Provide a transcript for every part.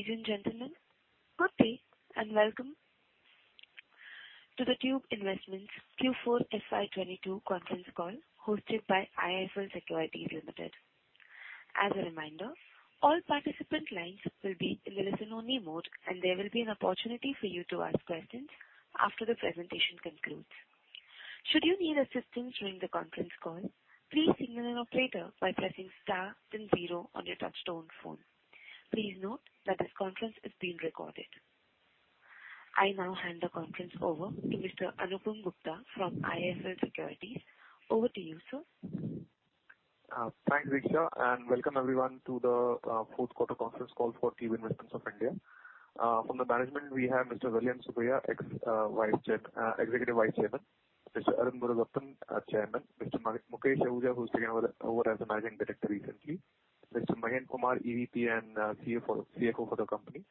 Ladies and gentlemen, good day and welcome to the Tube Investments Q4 FY22 conference call hosted by IIFL Securities Limited. As a reminder, all participant lines will be in listen-only mode, and there will be an opportunity for you to ask questions after the presentation concludes. Should you need assistance during the conference call, please signal an operator by pressing star then zero on your touchtone phone. Please note that this conference is being recorded. I now hand the conference over to Mr. Anupam Gupta from IIFL Securities. Over to you, sir. Thanks, Richa, and welcome everyone to the Q4 conference call for Tube Investments of India. From the management we have Mr. Vellayan Subbiah, Executive Vice Chairman; Mr. Arun Murugappan, Chairman; Mr. Mukesh Ahuja, who's taken over as managing director recently; Mr. K. Mahendra Kumar, EVP and CFO for the company;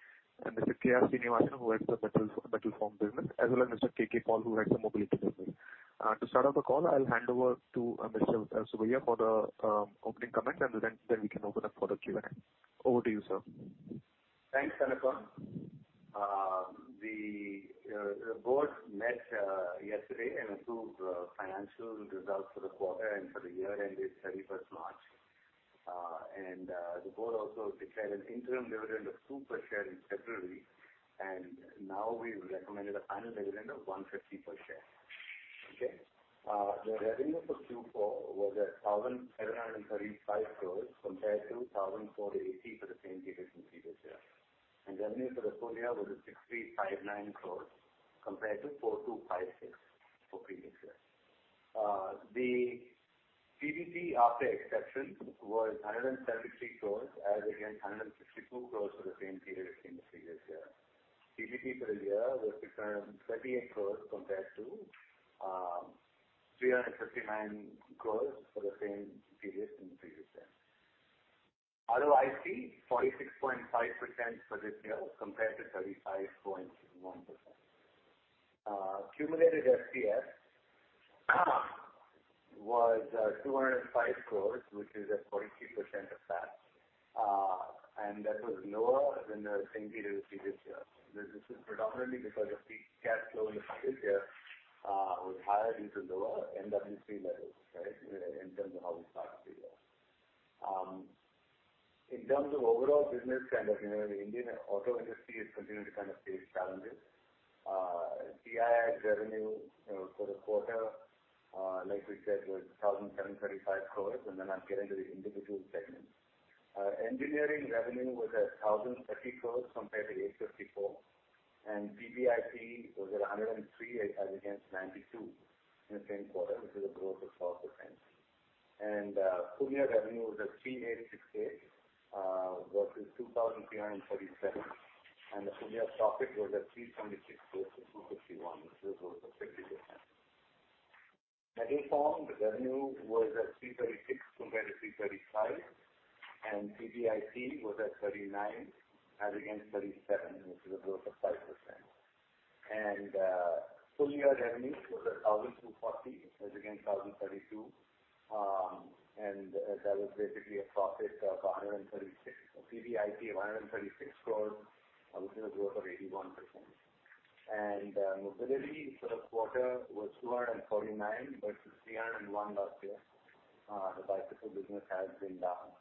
and Mr. K.R. Srinivasan, who heads the Metal Formed Products business, as well as Mr. KK Paul, who heads the mobility business. To start off the call, I'll hand over to Mr. Vellayan Subbiah for the opening comments and then we can open up for the Q&A. Over to you, sir. Thanks, Anupam. The board met yesterday and approved the financial results for the quarter and for the year ended 31st March. The board also declared an interim dividend of 2 per share in February, and now we've recommended a final dividend of 1.50 per share. Okay. The revenue for Q4 was at 1,735 crore compared to 1,480 crore for the same period in previous year. Revenue for the full year was at 6,590 crore compared to 4,256 crore for previous year. The PBT after exceptions was 173 crore as against 162 crore for the same period in the previous year. PBT for the year was 338 crore compared to 359 crore for the same period in the previous year. ROIC 46.5% for this year compared to 35.1%. Cumulative FCF was 205 crore, which is at 43% of that. That was lower than the same period of the previous year. This is predominantly because of the cash flow in the previous year was higher into lower NWC levels, right? In terms of how we calculate that. In terms of overall business and, you know, the Indian auto industry is continuing to kind of face challenges. TII's revenue for the quarter, like we said, was 1,735 crore, and then I'm getting to the individual segments. Engineering revenue was at 1,030 crore compared to 854. PBIT was at 103 as against 92 in the same quarter, which is a growth of 12%. Full year revenue was at 3,868 versus 2,337. The full year profit was at 376 versus 261, which is a growth of 50%. Metal Formed Products revenue was at 336 compared to 335, and PBIT was at 39 as against 37, which is a growth of 5%. Full year revenues was at 1,240 as against 1,032. That was basically a profit of 136. A PBIT of 136 crores, which is a growth of 81%. Mobility for the quarter was 249 versus 301 last year. The bicycle business has been down.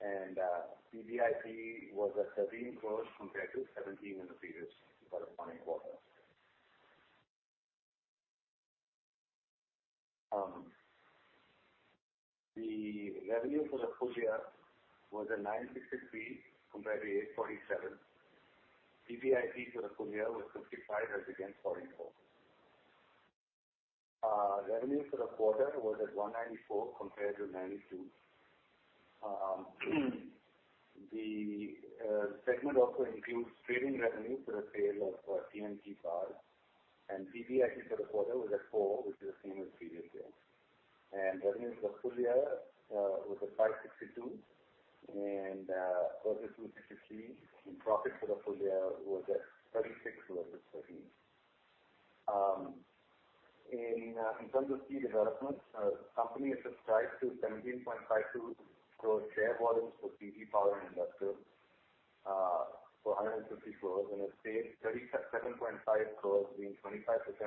PBIT was at 13 crores compared to 17 in the previous corresponding quarter. The revenue for the full year was at 963 compared to 847. PBIT for the full year was 55 as against 44. Revenue for the quarter was at 194 compared to 92. The segment also includes trading revenue for the sale of CG Power. PBIT for the quarter was at four, which is the same as previous year. Revenue for the full year was at 562 versus 263. Profit for the full year was at 36 versus 13. In terms of key developments, the company has subscribed to 17.52 crore share warrants for CG Power Investors, for 150 crores and has paid 37.5 crores, being 25%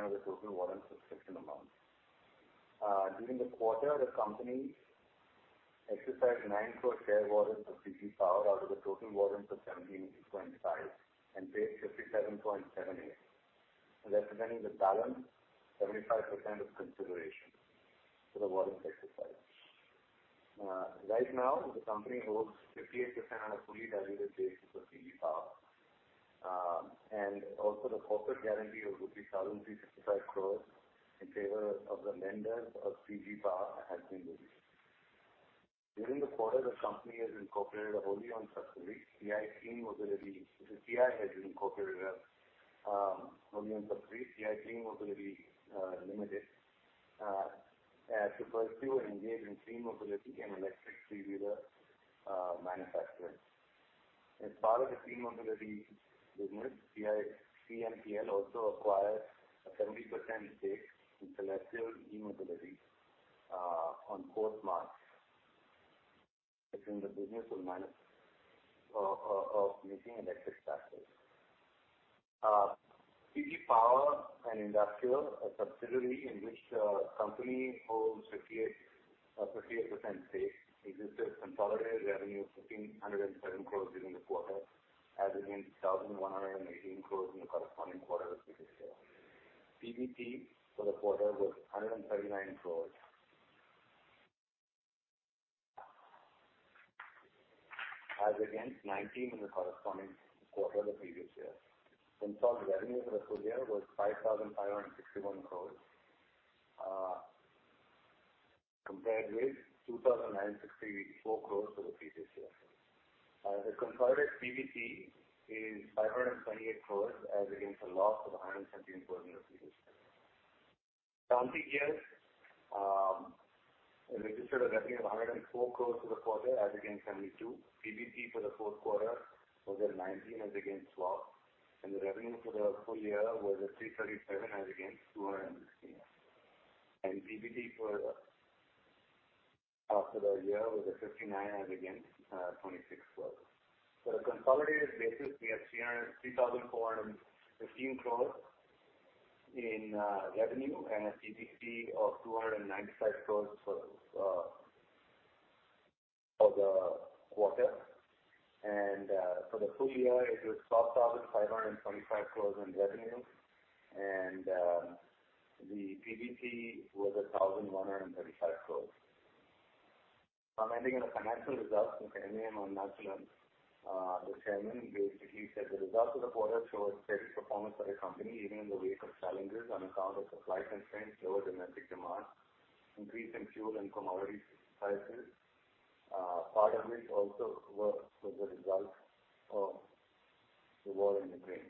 of the total warrant subscription amount. During the quarter, the company exercised 9 crore share warrants for CG Power out of the total warrants of 17.5 and paid 57.78 crore, representing the balance 75% of consideration for the warrant exercise. Right now the company holds 58% of fully diluted shares of CG Power. The corporate guarantee of INR 1,365 crore in favor of the lenders of CG Power has been released. During the quarter, the company has incorporated a wholly owned subsidiary, TI Clean Mobility Limited to pursue and engage in clean mobility and electric three-wheeler manufacturing. As part of the clean mobility business, TI CMP also acquired a 70% stake in Cellestial E-Mobility on 4th March. It's in the business of making electric tractors. CG Power and Industrial Solutions, a subsidiary in which the company holds 58% stake, registered consolidated revenue of 1,507 crores during the quarter as against 1,118 crores in the corresponding quarter of the previous year. PBT for the quarter was INR 139 crores as against 19 crores in the corresponding quarter of the previous year. Consolidated revenue for the full year was INR 5,561 crores compared with 2,964 crores for the previous year. The consolidated PBT is 528 crores as against a loss of 117 crores in the previous year. Shanti Gears registered a revenue of 104 crores for the quarter as against 72 crores. PBT for the fourth quarter was at 19 crores as against 12 crores, and the revenue for the full year was at 337 crores as against 216 crores. PBT for the year was at 59 crores as against 26 crores. For the consolidated basis, we have 3,415 crores in revenue and a PBT of 295 crores for the quarter. For the full year, it was 12,525 crores in revenue and the PBT was at 1,135 crores. Commenting on the financial results, M.A.M. Arunachalam, the chairman, basically said the results of the quarter show a steady performance for the company even in the wake of challenges on account of supply constraints, lower domestic demand, increase in fuel and commodity prices. Part of which also was the result of the war in Ukraine.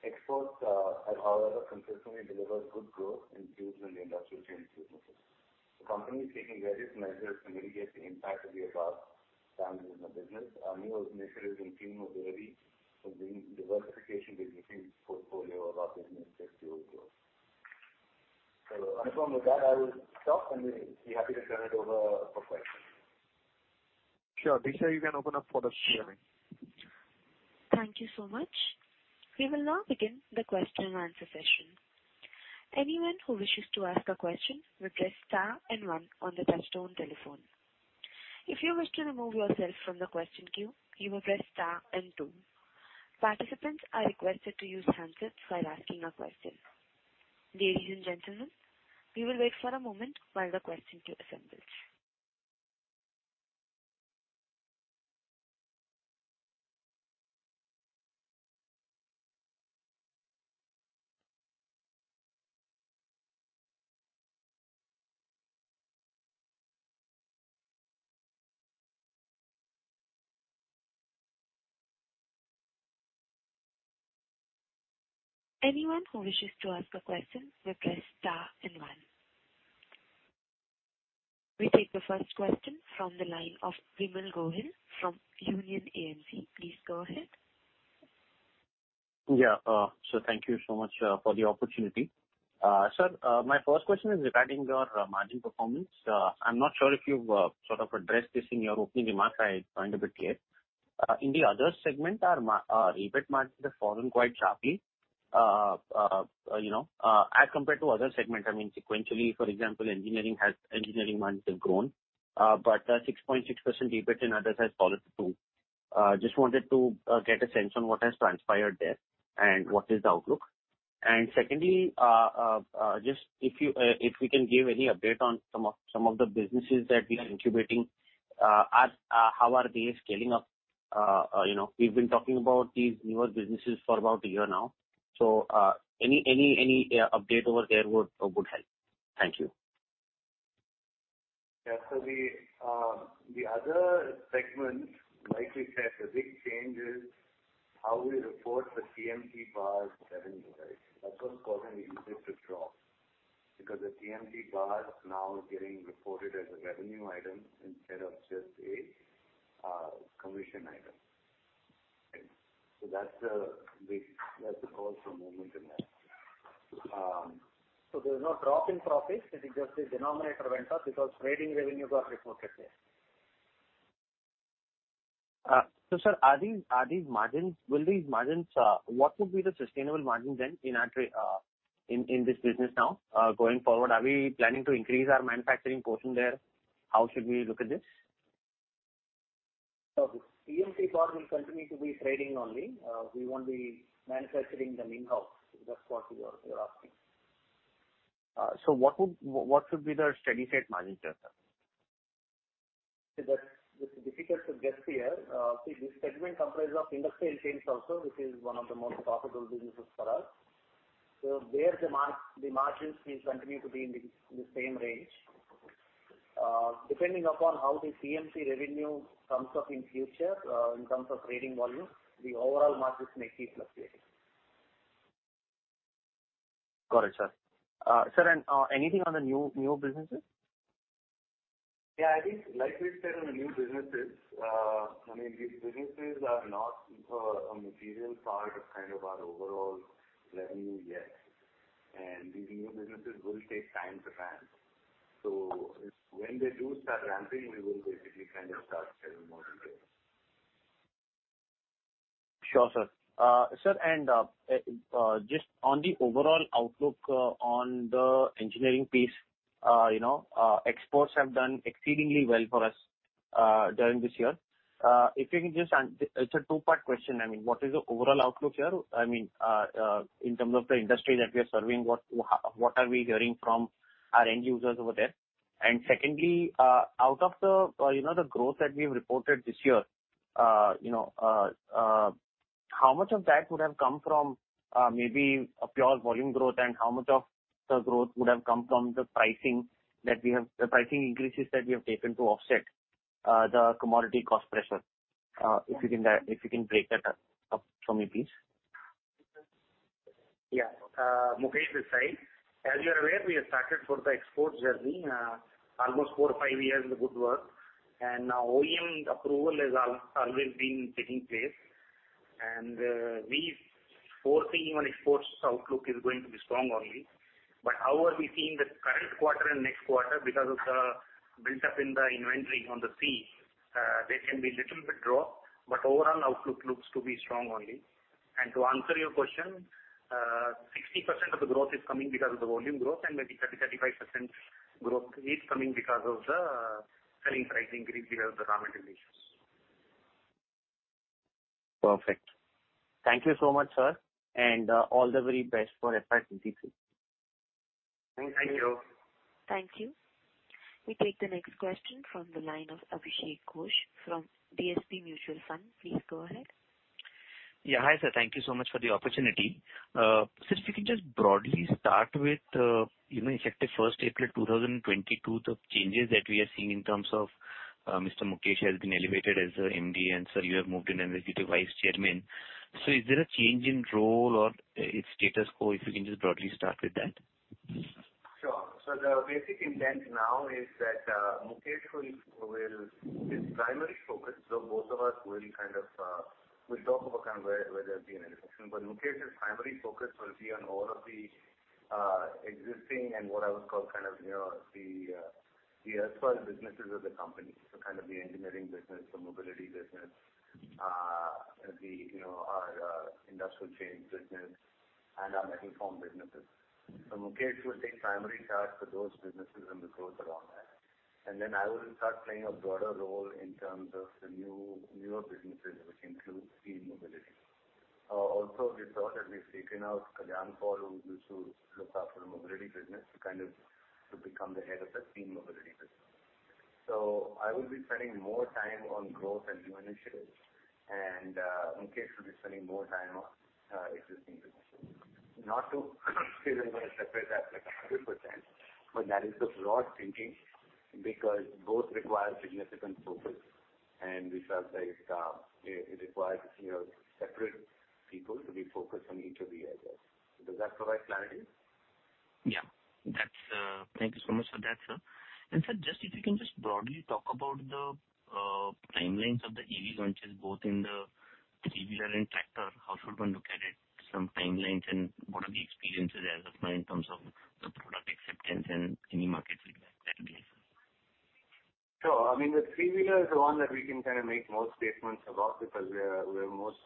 Exports have however consistently delivered good growth in tubes and industrial chain businesses. The company is taking various measures to mitigate the impact of the above challenges in the business. A new initiative in new mobility and bring diversification with different portfolio of our business sets to grow. With that, I will stop and be happy to turn it over for questions. Sure. Disha, you can open up for the Q&A. Thank you so much. We will now begin the question and answer session. Anyone who wishes to ask a question will press star and one on the touchtone telephone. If you wish to remove yourself from the question queue, you may press star and two. Participants are requested to use handsets while asking a question. Ladies and gentlemen, we will wait for a moment while the question queue assembles. Anyone who wishes to ask a question, will press star and one. We take the first question from the line of Vimal Gohil from Union AMC. Please go ahead. Yeah. So thank you so much for the opportunity. Sir, my first question is regarding your margin performance. I'm not sure if you've sort of addressed this in your opening remarks. I joined a bit late. In the other segment, our EBIT margins have fallen quite sharply. You know, as compared to other segment, I mean, engineering margins have grown. But 6.6% EBIT in others has fallen too. Just wanted to get a sense on what has transpired there and what is the outlook. Secondly, just if we can give any update on some of the businesses that we are incubating, as how are they scaling up? You know, we've been talking about these newer businesses for about a year now. Any update over there would help. Thank you. Yeah, the other segments, like we said, the big change is how we report the TMT Bar revenue, right? That was causing EBIT to drop because the TMT Bar now is getting reported as a revenue item instead of just a commission item. That's the cause for movement in that. There's no drop in profits. It is just the denominator went up because trading revenue got reported there. Sir, what would be the sustainable margin then in this business now, going forward? Are we planning to increase our manufacturing portion there? How should we look at this? TMT Bar will continue to be trading only. We won't be manufacturing them in-house, if that's what you're asking. What should be the steady state margin there, sir? It's difficult to guess here. See this segment comprises of industrial chains also, which is one of the most profitable businesses for us. There the margins will continue to be in the same range. Depending upon how the CMC revenue comes up in future, in terms of trading volume, the overall margins may keep fluctuating. Got it, sir. Sir, anything on the new businesses? Yeah, I think like we said on the new businesses, I mean, these businesses are not a material part of kind of our overall revenue yet, and these new businesses will take time to ramp. When they do start ramping, we will basically kind of start sharing more details. Sure, sir. Sir, and just on the overall outlook on the engineering piece, you know, exports have done exceedingly well for us during this year. It's a two-part question. I mean, what is the overall outlook here? I mean, in terms of the industry that we are serving, what are we hearing from our end users over there? Secondly, out of the, you know, the growth that we've reported this year, you know, how much of that would have come from maybe a pure volume growth and how much of the growth would have come from the pricing that we have, the pricing increases that we have taken to offset the commodity cost pressure? If you can break that up for me, please. Yeah. Mukesh this side. As you're aware, we have started the export journey almost four or five years in the works. Now OEM approval has always been taking place. We're focusing on exports. Outlook is going to be strong only. How are we seeing the current quarter and next quarter because of the build-up in the inventory at sea? There can be a little bit drop, but overall outlook looks to be strong only. To answer your question, 60% of the growth is coming because of the volume growth, and maybe 30-35% growth is coming because of the selling price increase. We have the raw material issues. Perfect. Thank you so much, sir, and all the very best for FY 2023. Thank you. Thank you. We take the next question from the line of Abhishek Ghosh from DSP Mutual Fund. Please go ahead. Hi, sir. Thank you so much for the opportunity. Sir, if you can just broadly start with, you know, effective first April 2022, the changes that we are seeing in terms of, Mr. Mukesh Ahuja has been elevated as the MD, and sir, you have moved in as the Deputy Vice Chairman. Is there a change in role or its status quo, if you can just broadly start with that? Sure. The basic intent now is that Mukesh will. His primary focus, both of us will kind of talk about kind of where there's been an intersection. Mukesh's primary focus will be on all of the existing and what I would call kind of, you know, the as well as businesses of the company. Kind of the engineering business, the mobility business, you know, our industrial chains business and our metal formed businesses. Mukesh will take primary charge for those businesses and the growth around that. Then I will start playing a broader role in terms of the newer businesses, which includes TI mobility. We thought that we've taken out Kalyan Paul, who used to look after the mobility business to become the head of the TI mobility business. I will be spending more time on growth and new initiatives and Mukesh will be spending more time on existing businesses. Not to say they're gonna separate that like 100%, but that is the broad thinking because both require significant focus and we felt like it requires, you know, separate people to be focused on each of the areas. Does that provide clarity? That's. Thank you so much for that, sir. Sir, just if you can broadly talk about the timelines of the EV launches, both in the three-wheeler and tractor, how should one look at it, some timelines and what are the experiences as of now in terms of the product acceptance and any market feedback that we have? Sure. I mean, the three-wheeler is the one that we can kind of make more statements about because we are most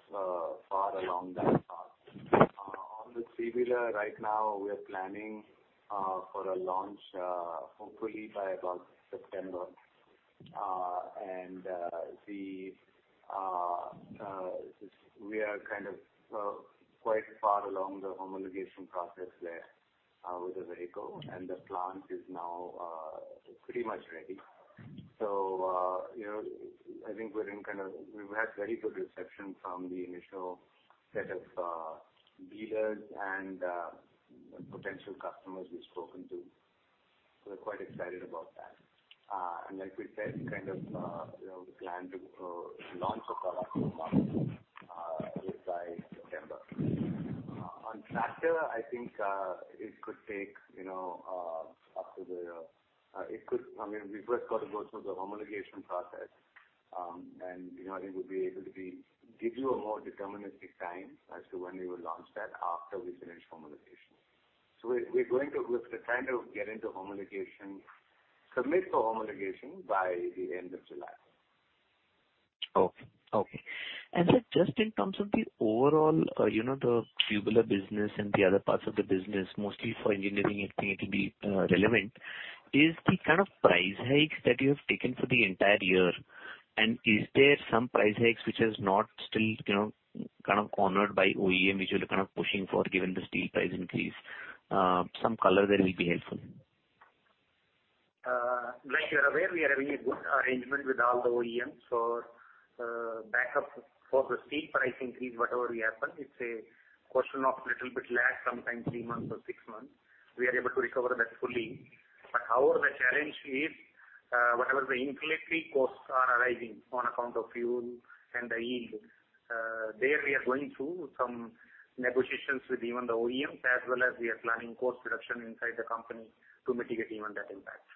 far along that path. On the three-wheeler right now we are planning for a launch hopefully by about September. We are kind of quite far along the homologation process there with the vehicle. The plant is now pretty much ready. You know, I think we're in kind of. We've had very good reception from the initial set of dealers and potential customers we've spoken to. We're quite excited about that. Like we said, kind of, you know, we plan to launch a product or model by September. On tractor, I think I mean we've just got to go through the homologation process. You know, I think we'll be able to give you a more deterministic time as to when we will launch that after we finish homologation. We're trying to get into homologation, submit for homologation by the end of July. Okay. Sir, just in terms of the overall, you know, the three-wheeler business and the other parts of the business, mostly for engineering, I think it will be relevant. Is the kind of price hikes that you have taken for the entire year, and is there some price hikes which is not still, you know, kind of honored by OEM, which you're kind of pushing for given the steel price increase? Some color there will be helpful. Like you're aware, we are having a good arrangement with all the OEMs for backup for the steel pricing increase. Whatever happens, it's a question of little bit lag, sometimes 3 months or 6 months. We are able to recover that fully. However, the challenge is, whatever the inflationary costs are arising on account of fuel and the yield. There we are going through some negotiations with even the OEM as well as we are planning cost reduction inside the company to mitigate even that impact.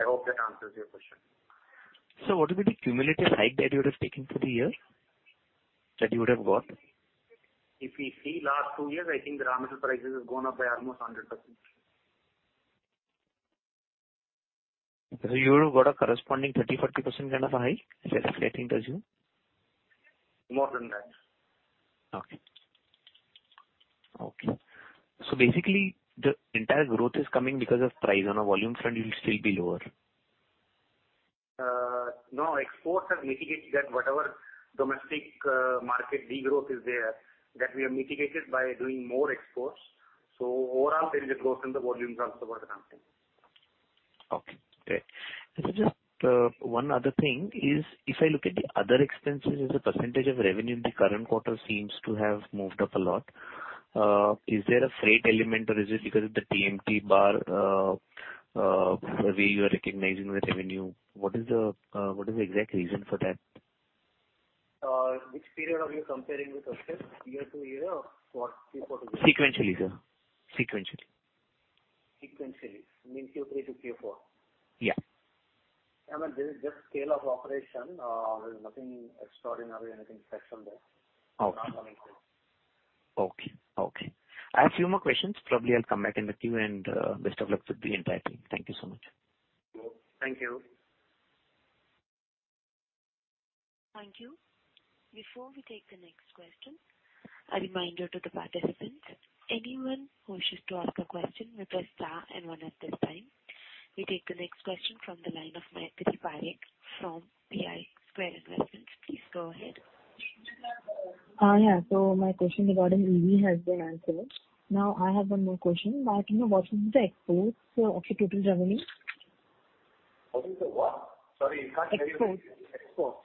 I hope that answers your question. What would be the cumulative hike that you would have taken for the year, that you would have got? If we see last two years, I think the raw material prices has gone up by almost 100%. You would have got a corresponding 30, 40% kind of a hike, if I think, assume. More than that. Okay. Basically the entire growth is coming because of price. On a volume front you'll still be lower. No exports have mitigated that. Whatever domestic market degrowth is there, that we have mitigated by doing more exports. Overall there is a growth in the volumes also for the company. Okay, great. Sir, just one other thing is if I look at the other expenses as a percentage of revenue in the current quarter seems to have moved up a lot. Is there a freight element or is it because of the TMT bar, the way you are recognizing the revenue? What is the exact reason for that? Which period are you comparing with yourself? Year to year or what? Q4 to Sequentially, sir. Sequentially. Sequentially. You mean Q3 to Q4? Yeah. I mean, this is just scale of operation. There's nothing extraordinary, anything special there. Okay. I have few more questions. Probably I'll come back in with you and best of luck with the entire team. Thank you so much. Thank you. Thank you. Before we take the next question, a reminder to the participants. Anyone who wishes to ask a question may press star and one at this time. We take the next question from the line of Maitri Parekh from III-square Investments. Please go ahead. My question regarding EV has been answered. Now I have one more question. Mark, you know, what is the export of your total revenue? What is the what? Sorry, you can't hear me. Export. Export.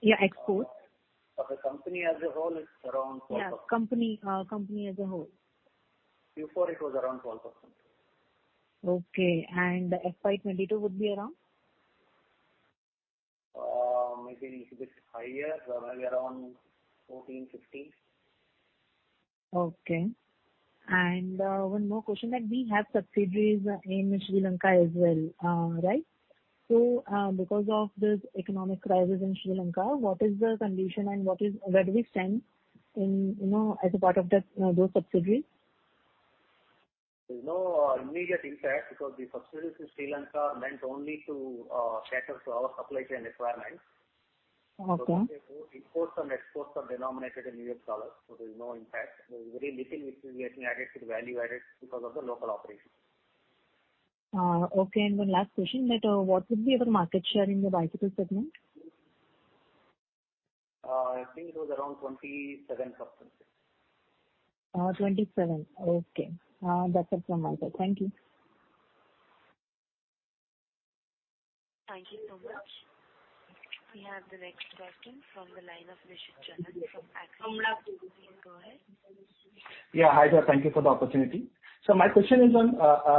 Yeah, export. Of the company as a whole is around 12%. Yeah, company as a whole. Q4 it was around 12%. Okay. FY 22 would be around? Maybe a little bit higher. Probably around 14, 15. Okay. One more question that we have subsidiaries in Sri Lanka as well, right? Because of this economic crisis in Sri Lanka, what is the condition and where do we stand in, you know, as a part of that, those subsidiaries? There's no immediate impact because the subsidiaries in Sri Lanka meant only to cater to our supply chain requirements. Okay. Imports and exports are denominated in US dollars, so there's no impact. There's very little which is getting added to the value added because of the local operations. Okay. One last question, what would be your market share in the bicycle segment? I think it was around 27%. 27. Okay. That's it from my side. Thank you. Thank you so much. We have the next question from the line of Rishabh Jain from uncertain. Please go ahead. Yeah. Hi there. Thank you for the opportunity. My question is on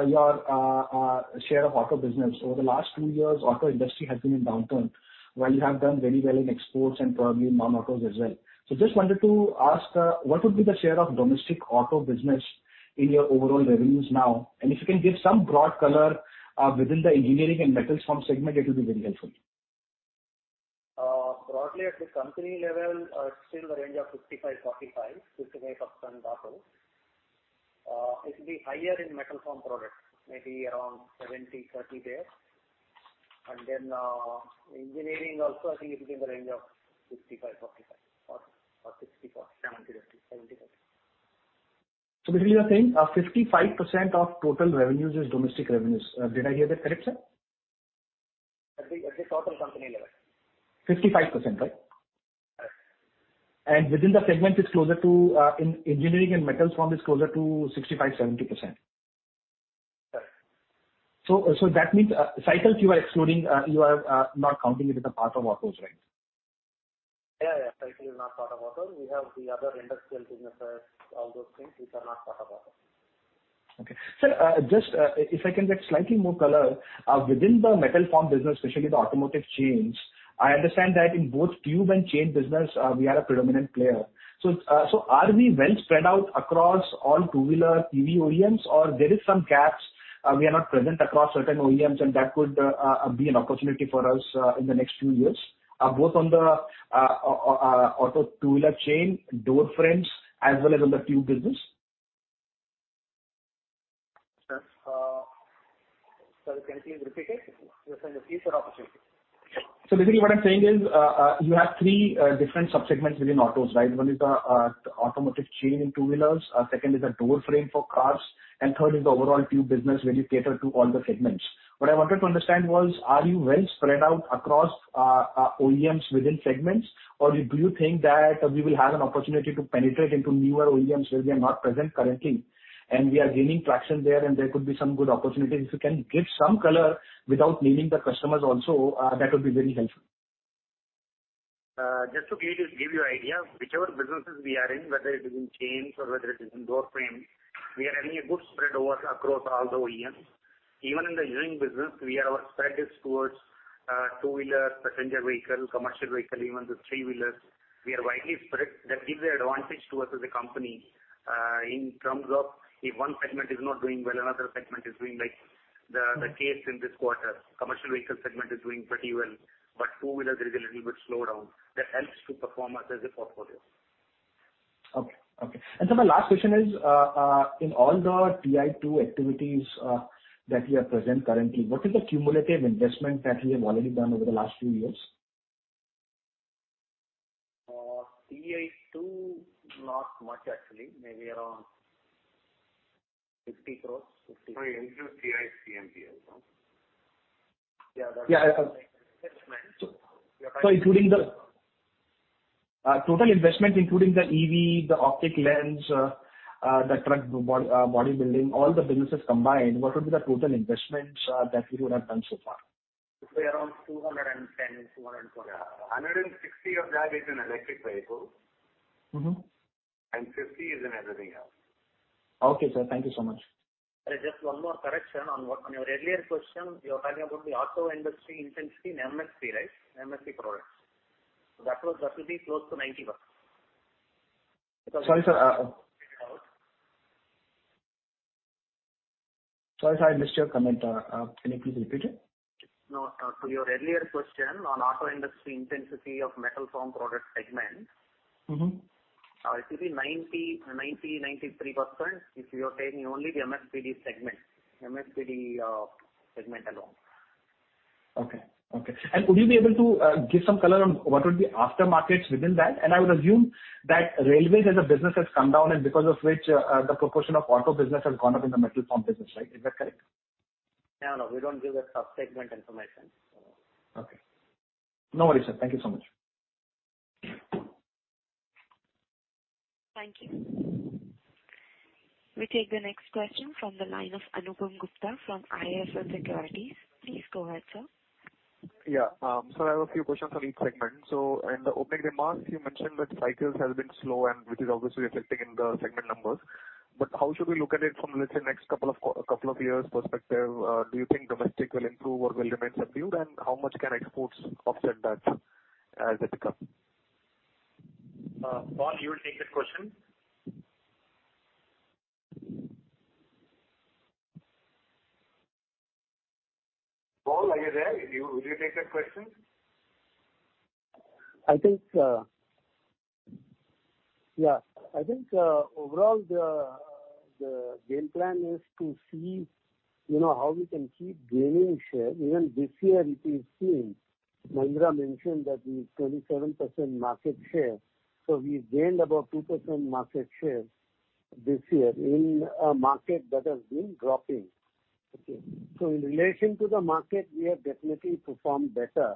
your share of auto business. Over the last two years, auto industry has been in downturn, while you have done very well in exports and probably in non-autos as well. Just wanted to ask what would be the share of domestic auto business in your overall revenues now? If you can give some broad color within the engineering and metal formed segment, it will be very helpful. Broadly at the company level, still the range of 65-45 to 65% roughly. It will be higher in metal formed products, maybe around 70-30 there. Engineering also I think it will be in the range of 65-45 or 64-75. Basically you're saying, 55% of total revenues is domestic revenues. Did I hear that correct, sir? At the total company level. 55%, right? Correct. Within the segment it's closer to, in engineering and metals form, it's closer to 65%-70%. Correct. That means cycles you are excluding, you are not counting it as a part of autos, right? Yeah, yeah. Cycle is not part of auto. We have the other industrial businesses, all those things which are not part of auto. Okay. Sir, just, if I can get slightly more color, within the metal formed business, especially the automotive chains, I understand that in both tube and chain business, we are a predominant player. Are we well spread out across all two-wheeler OEMs or there is some gaps, we are not present across certain OEMs and that could, be an opportunity for us, in the next few years, both on the, auto two-wheeler chain, door frames, as well as on the tube business? Sir, can you please repeat it? You're saying opportunity. Basically what I'm saying is, you have three different sub-segments within autos, right? One is the automotive chain in two-wheelers, second is the door frame for cars, and third is the overall tube business where you cater to all the segments. What I wanted to understand was, are you well spread out across OEMs within segments? Or do you think that we will have an opportunity to penetrate into newer OEMs where we are not present currently and we are gaining traction there and there could be some good opportunities? If you can give some color without naming the customers also, that would be very helpful. Just to give you idea, whichever businesses we are in, whether it is in chains or whether it is in door frames, we are having a good spread across all the OEMs. Even in the engineering business, we have our spread is towards two-wheeler passenger vehicle, commercial vehicle, even the three-wheelers. We are widely spread. That gives the advantage to us as a company, in terms of if one segment is not doing well, another segment is doing like the case in this quarter. Commercial vehicle segment is doing pretty well, but two-wheeler there is a little bit slowdown that helps to perform us as a portfolio. Okay. My last question is, in all the TI2 activities that you are present currently, what is the cumulative investment that you have already done over the last few years? TI2, not much actually. Maybe around INR 50 crores, fifty- Sorry, include TI CMP as well. Yeah, that's. Including the total investment, including the EV, the optic lens, the truck body building, all the businesses combined, what would be the total investments that you would have done so far? It'll be around 210-240. Yeah. 160 of that is in electric vehicles. Mm-hmm. 50 is in everything else. Okay, sir. Thank you so much. Just one more correction on your earlier question, you were talking about the auto industry intensity in MFP, right? MFP products. That will be close to 90%. Sorry, sir. Sorry, sir, I missed your comment. Can you please repeat it? No. To your earlier question on auto industry intensity of metal formed products segment. Mm-hmm. It will be 93% if you are taking only the MFPD segment alone. Okay. Would you be able to give some color on what would be aftermarkets within that? I would assume that railways as a business has come down, and because of which, the proportion of auto business has gone up in the metal formed business, right? Is that correct? No, no, we don't give a sub-segment information, so. Okay. No worries, sir. Thank you so much. Thank you. We take the next question from the line of Anupam Gupta from IIFL Securities. Please go ahead, sir. Yeah. I have a few questions on each segment. In the opening remarks, you mentioned that cycles has been slow and which is obviously affecting in the segment numbers. How should we look at it from, let's say, next couple of years perspective? Do you think domestic will improve or will remain subdued? How much can exports offset that as they pick up? Paul, you will take that question. Paul, are you there? You, would you take that question? I think overall the game plan is to see, you know, how we can keep gaining share. Even this year it is seen. Mukesh Ahuja mentioned that we are 27% market share, so we gained about 2% market share this year in a market that has been dropping. Okay? In relation to the market, we have definitely performed better.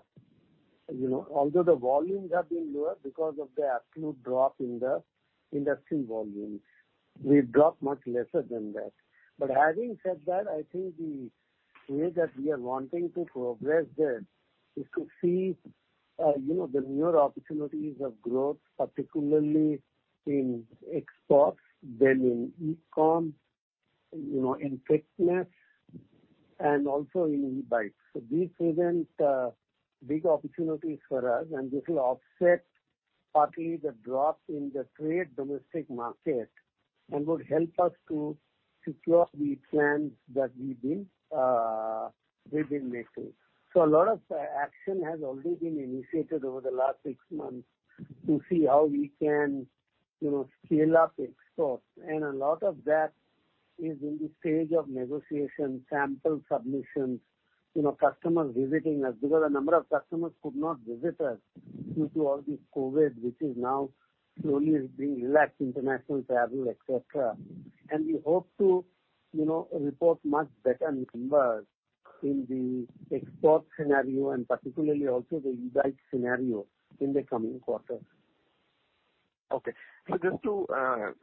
You know, although the volumes have been lower because of the absolute drop in the industry volumes, we've dropped much lesser than that. Having said that, I think the way that we are wanting to progress there is to see, you know, the newer opportunities of growth, particularly in exports, then in e-com, you know, in thickness and also in e-bikes. These present big opportunities for us, and this will offset partly the drop in the trade domestic market and would help us to secure the plans that we've been making. A lot of action has already been initiated over the last six months to see how we can, you know, scale up exports. A lot of that is in the stage of negotiation, sample submissions, you know, customers visiting us, because a number of customers could not visit us due to all this COVID, which is now slowly being relaxed, international travel, et cetera. We hope to, you know, report much better numbers in the export scenario and particularly also the e-bike scenario in the coming quarters. Just to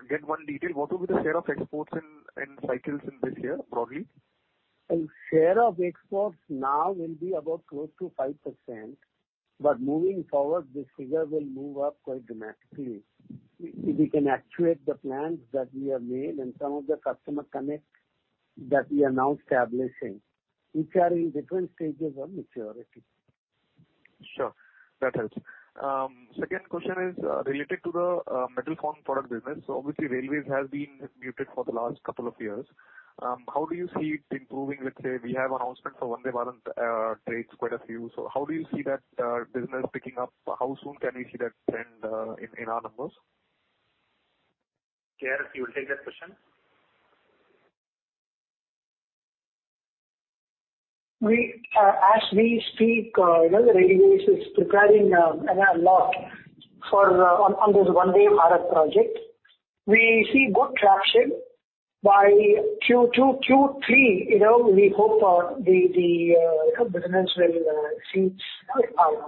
get one detail, what will be the share of exports in cycles in this year, broadly? Share of exports now will be about close to 5%, but moving forward this figure will move up quite dramatically. We can actuate the plans that we have made and some of the customer connects that we are now establishing, which are in different stages of maturity. Sure. That helps. Second question is related to the Metal Formed Products business. Obviously railways has been muted for the last couple of years. How do you see it improving? Let's say we have announcement for Vande Bharat trains, quite a few. How do you see that business picking up? How soon can we see that trend in our numbers? KRS, you will take that question. We as we speak, you know, the Railways is preparing a lot on this Vande Bharat project. We see good traction. By Q2, Q3, you know, we hope the business will see its power.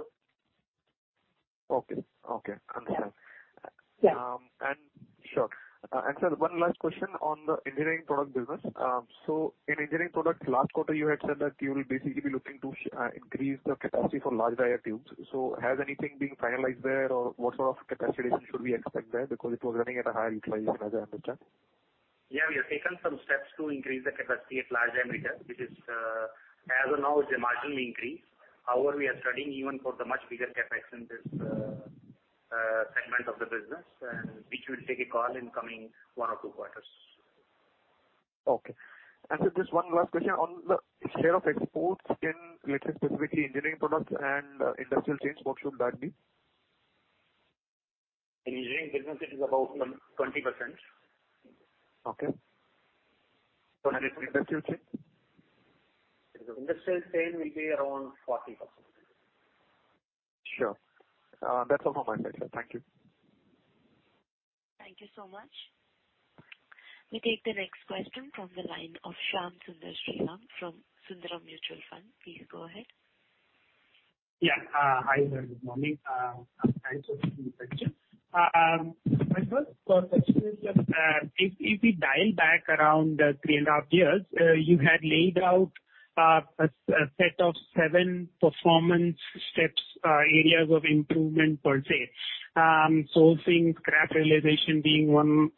Okay. Understand. Yeah. Sure. Sir, one last question on the engineering product business. In engineering products last quarter, you had said that you will basically be looking to increase the capacity for large diameter tubes. Has anything been finalized there or what sort of capacity should we expect there? Because it was running at a higher utilization, as I understand. Yeah, we have taken some steps to increase the capacity at large diameter, which, as of now, is a marginal increase. However, we are studying even for the much bigger CapEx in this segment of the business and which we'll take a call in coming one or two quarters. Okay. Sir, just one last question. On the share of exports in, let's say, specifically engineering products and industrial chains, what should that be? In engineering business it is about 20%. Okay. Industrial chain? In the industrial chain will be around 40%. Sure. That's all from my side, sir. Thank you. Thank you so much. We take the next question from the line of Shyam Sundar Sriram from Sundaram Mutual Fund. Please go ahead. Yeah. Hi there, good morning. Thanks for taking the question. My first question is, if we dial back around 3.5 years, you had laid out a set of seven performance steps, areas of improvement per se. Seeing scrap realization being one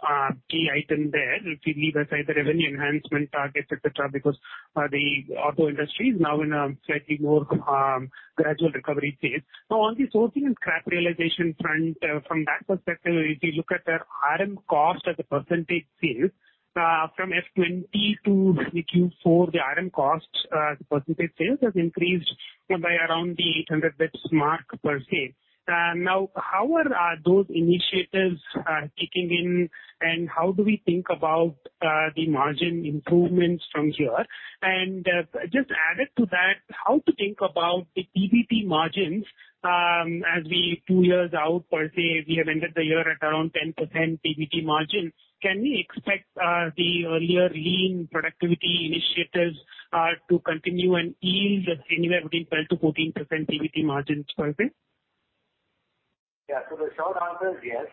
key item there, if we leave aside the revenue enhancement targets, et cetera, because the auto industry is now in a slightly more gradual recovery phase. Now, on the sourcing and scrap realization front, from that perspective, if you look at their RM cost as a percentage of sales, from FY20 to FY24, the RM cost as a percentage of sales has increased by around the 800 basis points per se. Now, how are those initiatives kicking in, and how do we think about the margin improvements from here? Just added to that, how to think about the PBT margins, as we two years out per se, we have ended the year at around 10% PBT margin. Can we expect the earlier lean productivity initiatives to continue and yield anywhere between 12%-14% PBT margins per se? Yeah. The short answer is yes.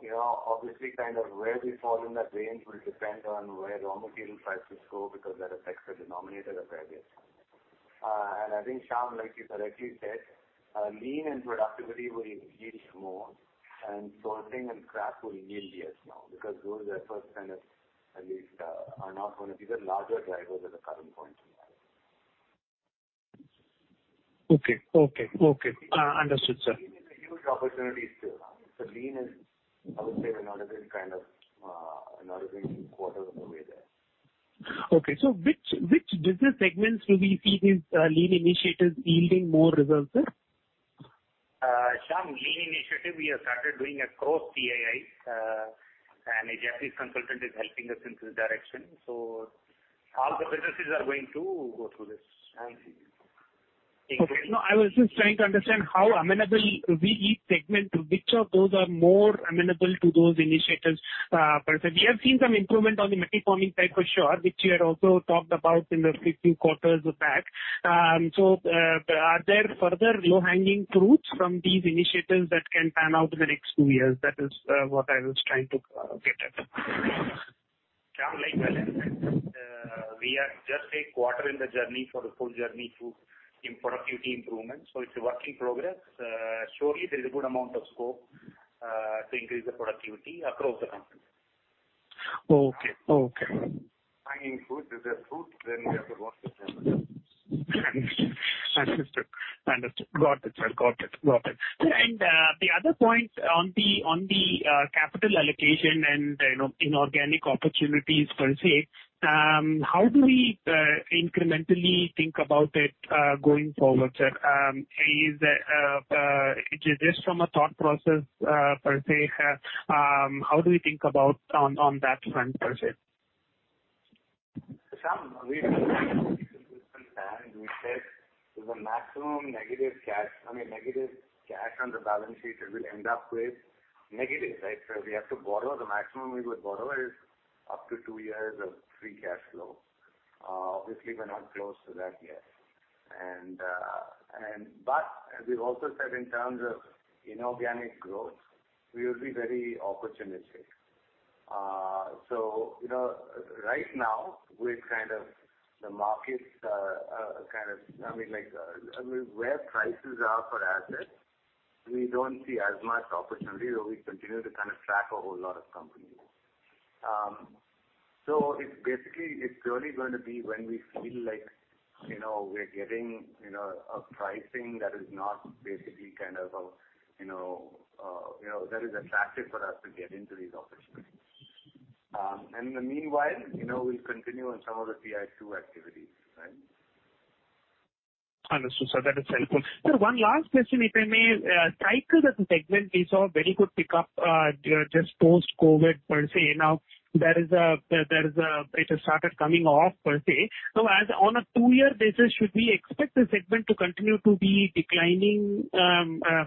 You know, obviously, kind of where we fall in that range will depend on where raw material prices go because that affects the denominator of various. And I think, Shyam, like you correctly said, lean and productivity will yield more, and sourcing and scrap will yield less now because those are first kind of at least, are not gonna be the larger drivers at the current point in time. Okay. Understood, sir. There is a huge opportunity still. Clean is, I would say another big kind of, another big quarter on the way there. Okay. Which business segments will we see these lean initiatives yielding more results, sir? Shyam, Lean initiative, we have started doing across TII, and a Japanese consultant is helping us in this direction. All the businesses are going to go through this and see. Okay. No, I was just trying to understand how amenable will be each segment to which of those are more amenable to those initiatives, per se. We have seen some improvement on the metal formed side for sure, which you had also talked about in the few quarters back. Are there further low-hanging fruits from these initiatives that can pan out in the next two years? That is, what I was trying to get at. Shyam, we are just a quarter in the journey for the full journey to improve productivity improvements. It's a work in progress. Surely there is a good amount of scope to increase the productivity across the company. Okay. Okay. Finding fruit is a fruit, then we have to work with them. Understood. Got it, sir. Sir, the other point on the capital allocation and, you know, inorganic opportunities per se, how do we incrementally think about it going forward, sir? Is just from a thought process per se, how do we think about on that front per se? Shyam, we said the maximum negative cash, I mean, negative cash on the balance sheet will end up with negative, right? We have to borrow. The maximum we would borrow is up to 2 years of free cash flow. Obviously we're not close to that yet. But as we've also said in terms of inorganic growth, we will be very opportunistic. You know, right now we're kind of in the markets, I mean, like, I mean, where prices are for assets, we don't see as much opportunity, so we continue to kind of track a whole lot of companies. It's basically purely going to be when we feel like, you know, we're getting, you know, a pricing that is not basically kind of, you know, you know, that is attractive for us to get into these opportunities. In the meanwhile, you know, we'll continue on some of the TI 2 activities, right? Understood, sir. That is helpful. Sir, one last question, if I may. Cycles as a segment we saw very good pickup just post-COVID per se. Now it has started coming off per se. As on a two-year basis, should we expect the segment to continue to be declining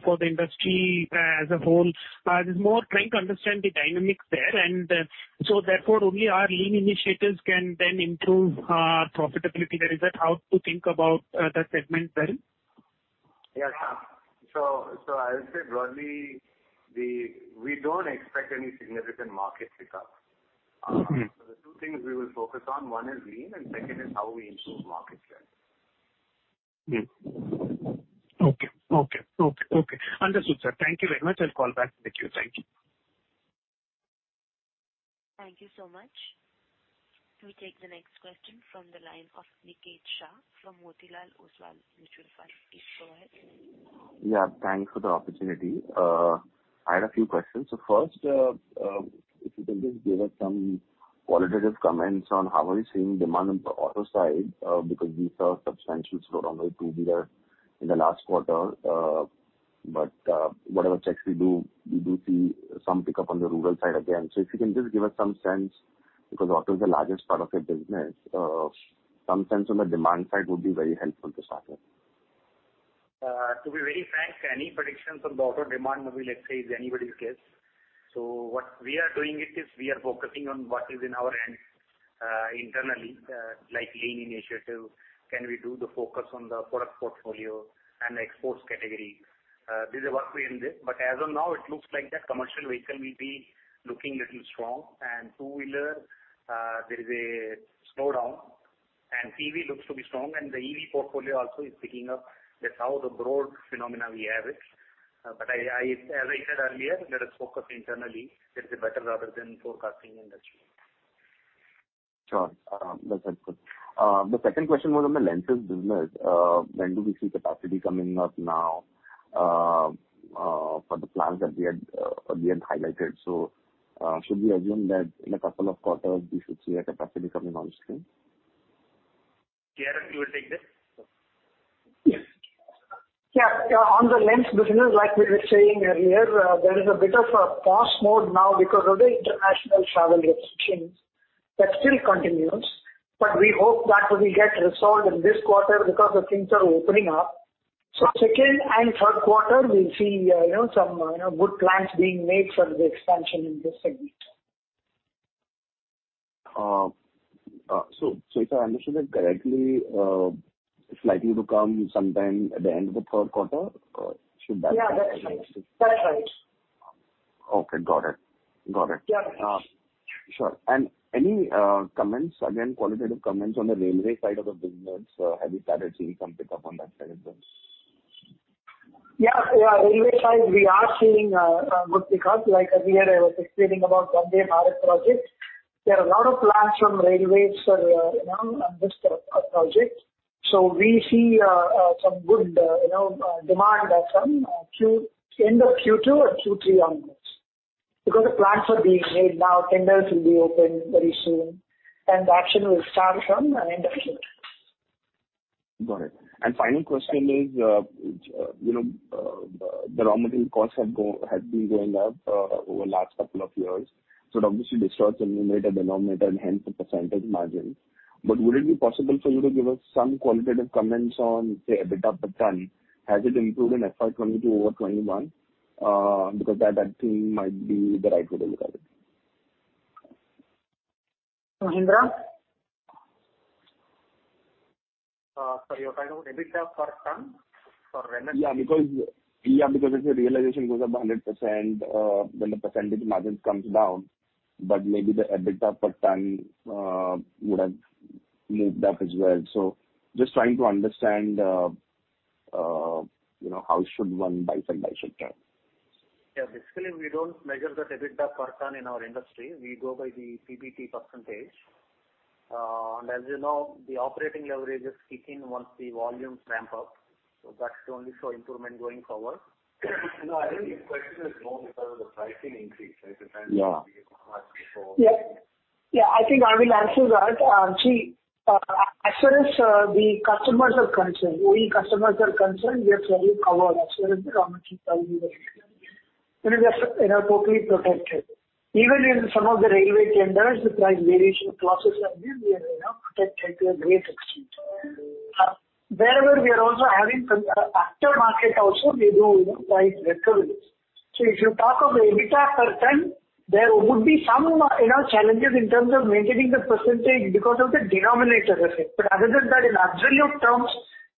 for the industry as a whole? This is more trying to understand the dynamics there, and so therefore only our lean initiatives can then improve profitability. That is it, how to think about that segment, sir? Yes, Shyam. I would say broadly, we don't expect any significant market pickup. Mm-hmm. The two things we will focus on, one is lean, and second is how we improve market share. Okay. Understood, sir. Thank you very much. I'll call back with you. Thank you. Thank you so much. We take the next question from the line of Niket Shah from Motilal Oswal Mutual Fund. Please go ahead. Yeah, thanks for the opportunity. I had a few questions. First, if you can just give us some qualitative comments on how are you seeing demand on the auto side, because we saw substantial slowdown in two-wheeler in the last quarter. Whatever checks we do, we do see some pickup on the rural side again. If you can just give us some sense, because auto is the largest part of your business, some sense on the demand side would be very helpful to start with. To be very frank, any predictions on the auto demand will be, let's say, anybody's guess. What we are doing is we are focusing on what is in our hands, internally, like lean initiative. Can we do the focus on the product portfolio and the exports category? This is a work we are in this. But as of now it looks like that commercial vehicle will be looking little strong and two-wheeler, there is a slowdown and TV looks to be strong and the EV portfolio also is picking up. That's how the broad phenomena we have it. As I said earlier, let us focus internally. That is better rather than forecasting industry. Sure. That's helpful. The second question was on the lenses business. When do we see capacity coming up now, for the plans that we had highlighted? Should we assume that in a couple of quarters we should see a capacity coming on stream? K.R. Srinivasan, you will take this? Yes. Yeah. On the lens business, like we were saying earlier, there is a bit of a pause mode now because of the international travel restrictions. That still continues, but we hope that will get resolved in this quarter because the things are opening up. Second and third quarter we'll see, you know, some, you know, good plans being made for the expansion in this segment. If I understood that correctly, it's likely to come sometime at the end of the Q3 or should that? Yeah, that's right. That's right. Okay. Got it. Yeah. Sure. Any comments, again, qualitative comments on the railway side of the business? Have you started seeing some pickup on that side of the business? Railway side we are seeing good pickup. Like earlier I was explaining about Vande Bharat project. There are a lot of plans from railways, you know, on this project. We see some good, you know, demand from end of Q2 or Q3 onwards. Because the plans are being made now, tenders will be open very soon and the action will start from end of June. Got it. Final question is, you know, the raw material costs have been going up over last couple of years. It obviously distorts the numerator, denominator and hence the percentage margins. Would it be possible for you to give us some qualitative comments on, say, EBITDA per ton? Has it improved in FY 2022 over 2021? Because that I think might be the right way to look at it. Mahendra? Sorry, you're talking about EBITDA per ton? For revenue- Because if the realization goes up 100%, then the percentage margins comes down. But maybe the EBITDA per ton would have moved up as well. Just trying to understand, you know, how should one size the pie? Basically we don't measure the EBITDA per ton in our industry. We go by the PBT percentage. As you know, the operating leverage is kicking once the volumes ramp up. That's the only show improvement going forward. No, I think his question is more because of the pricing increase, right? The trends. Yeah. -we recognize for- Yeah. Yeah, I think I will answer that. See, as far as the customers are concerned, OEM customers are concerned, we are fairly covered as far as the raw material is concerned. I mean, we are, you know, totally protected. Even in some of the railway tenders, the price variation clauses are there. We are, you know, protected to a great extent. Wherever we are also having aftermarket also we do, you know, price recoveries. If you talk of EBITDA per ton, there would be some, you know, challenges in terms of maintaining the percentage because of the denominator effect. Other than that in absolute terms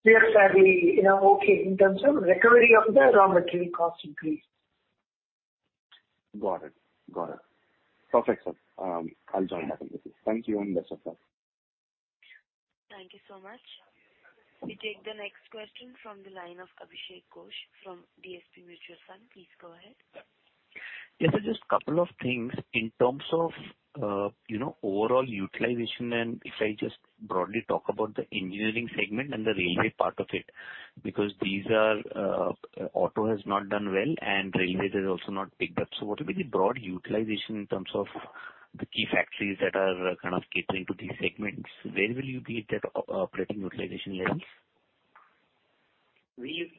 we are fairly, you know, okay in terms of recovery of the raw material cost increase. Got it. Perfect, sir. I'll join the dots. Thank you and best of luck. Thank you so much. We take the next question from the line of Abhishek Ghosh from DSP Mutual Fund. Please go ahead. Yes, sir, just couple of things in terms of overall utilization and if I just broadly talk about the engineering segment and the railway part of it, because these are, auto has not done well and railway has also not picked up. What will be the broad utilization in terms of the key factories that are kind of catering to these segments? Where will you be at operating utilization levels? We